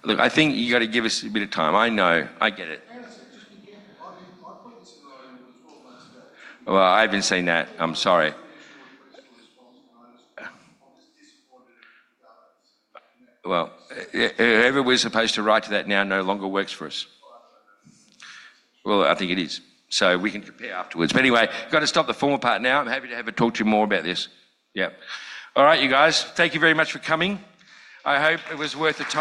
[It's a paraphrase for him, like Doug said. I've tried to, what did you?] [What's what?] [Twice in touch. That's why I'm seeing you can help check.] I think you got to give us a bit of time. I know, I get it. I haven't seen that. I'm sorry. Whoever was supposed to write to that now no longer works for us. I think it is, so we can compare afterwards. Anyway, I got to stop the formal part now. I'm happy to have a talk to you more about this. Yeah. All right, you guys. Thank you very much for coming. I hope it was worth the time.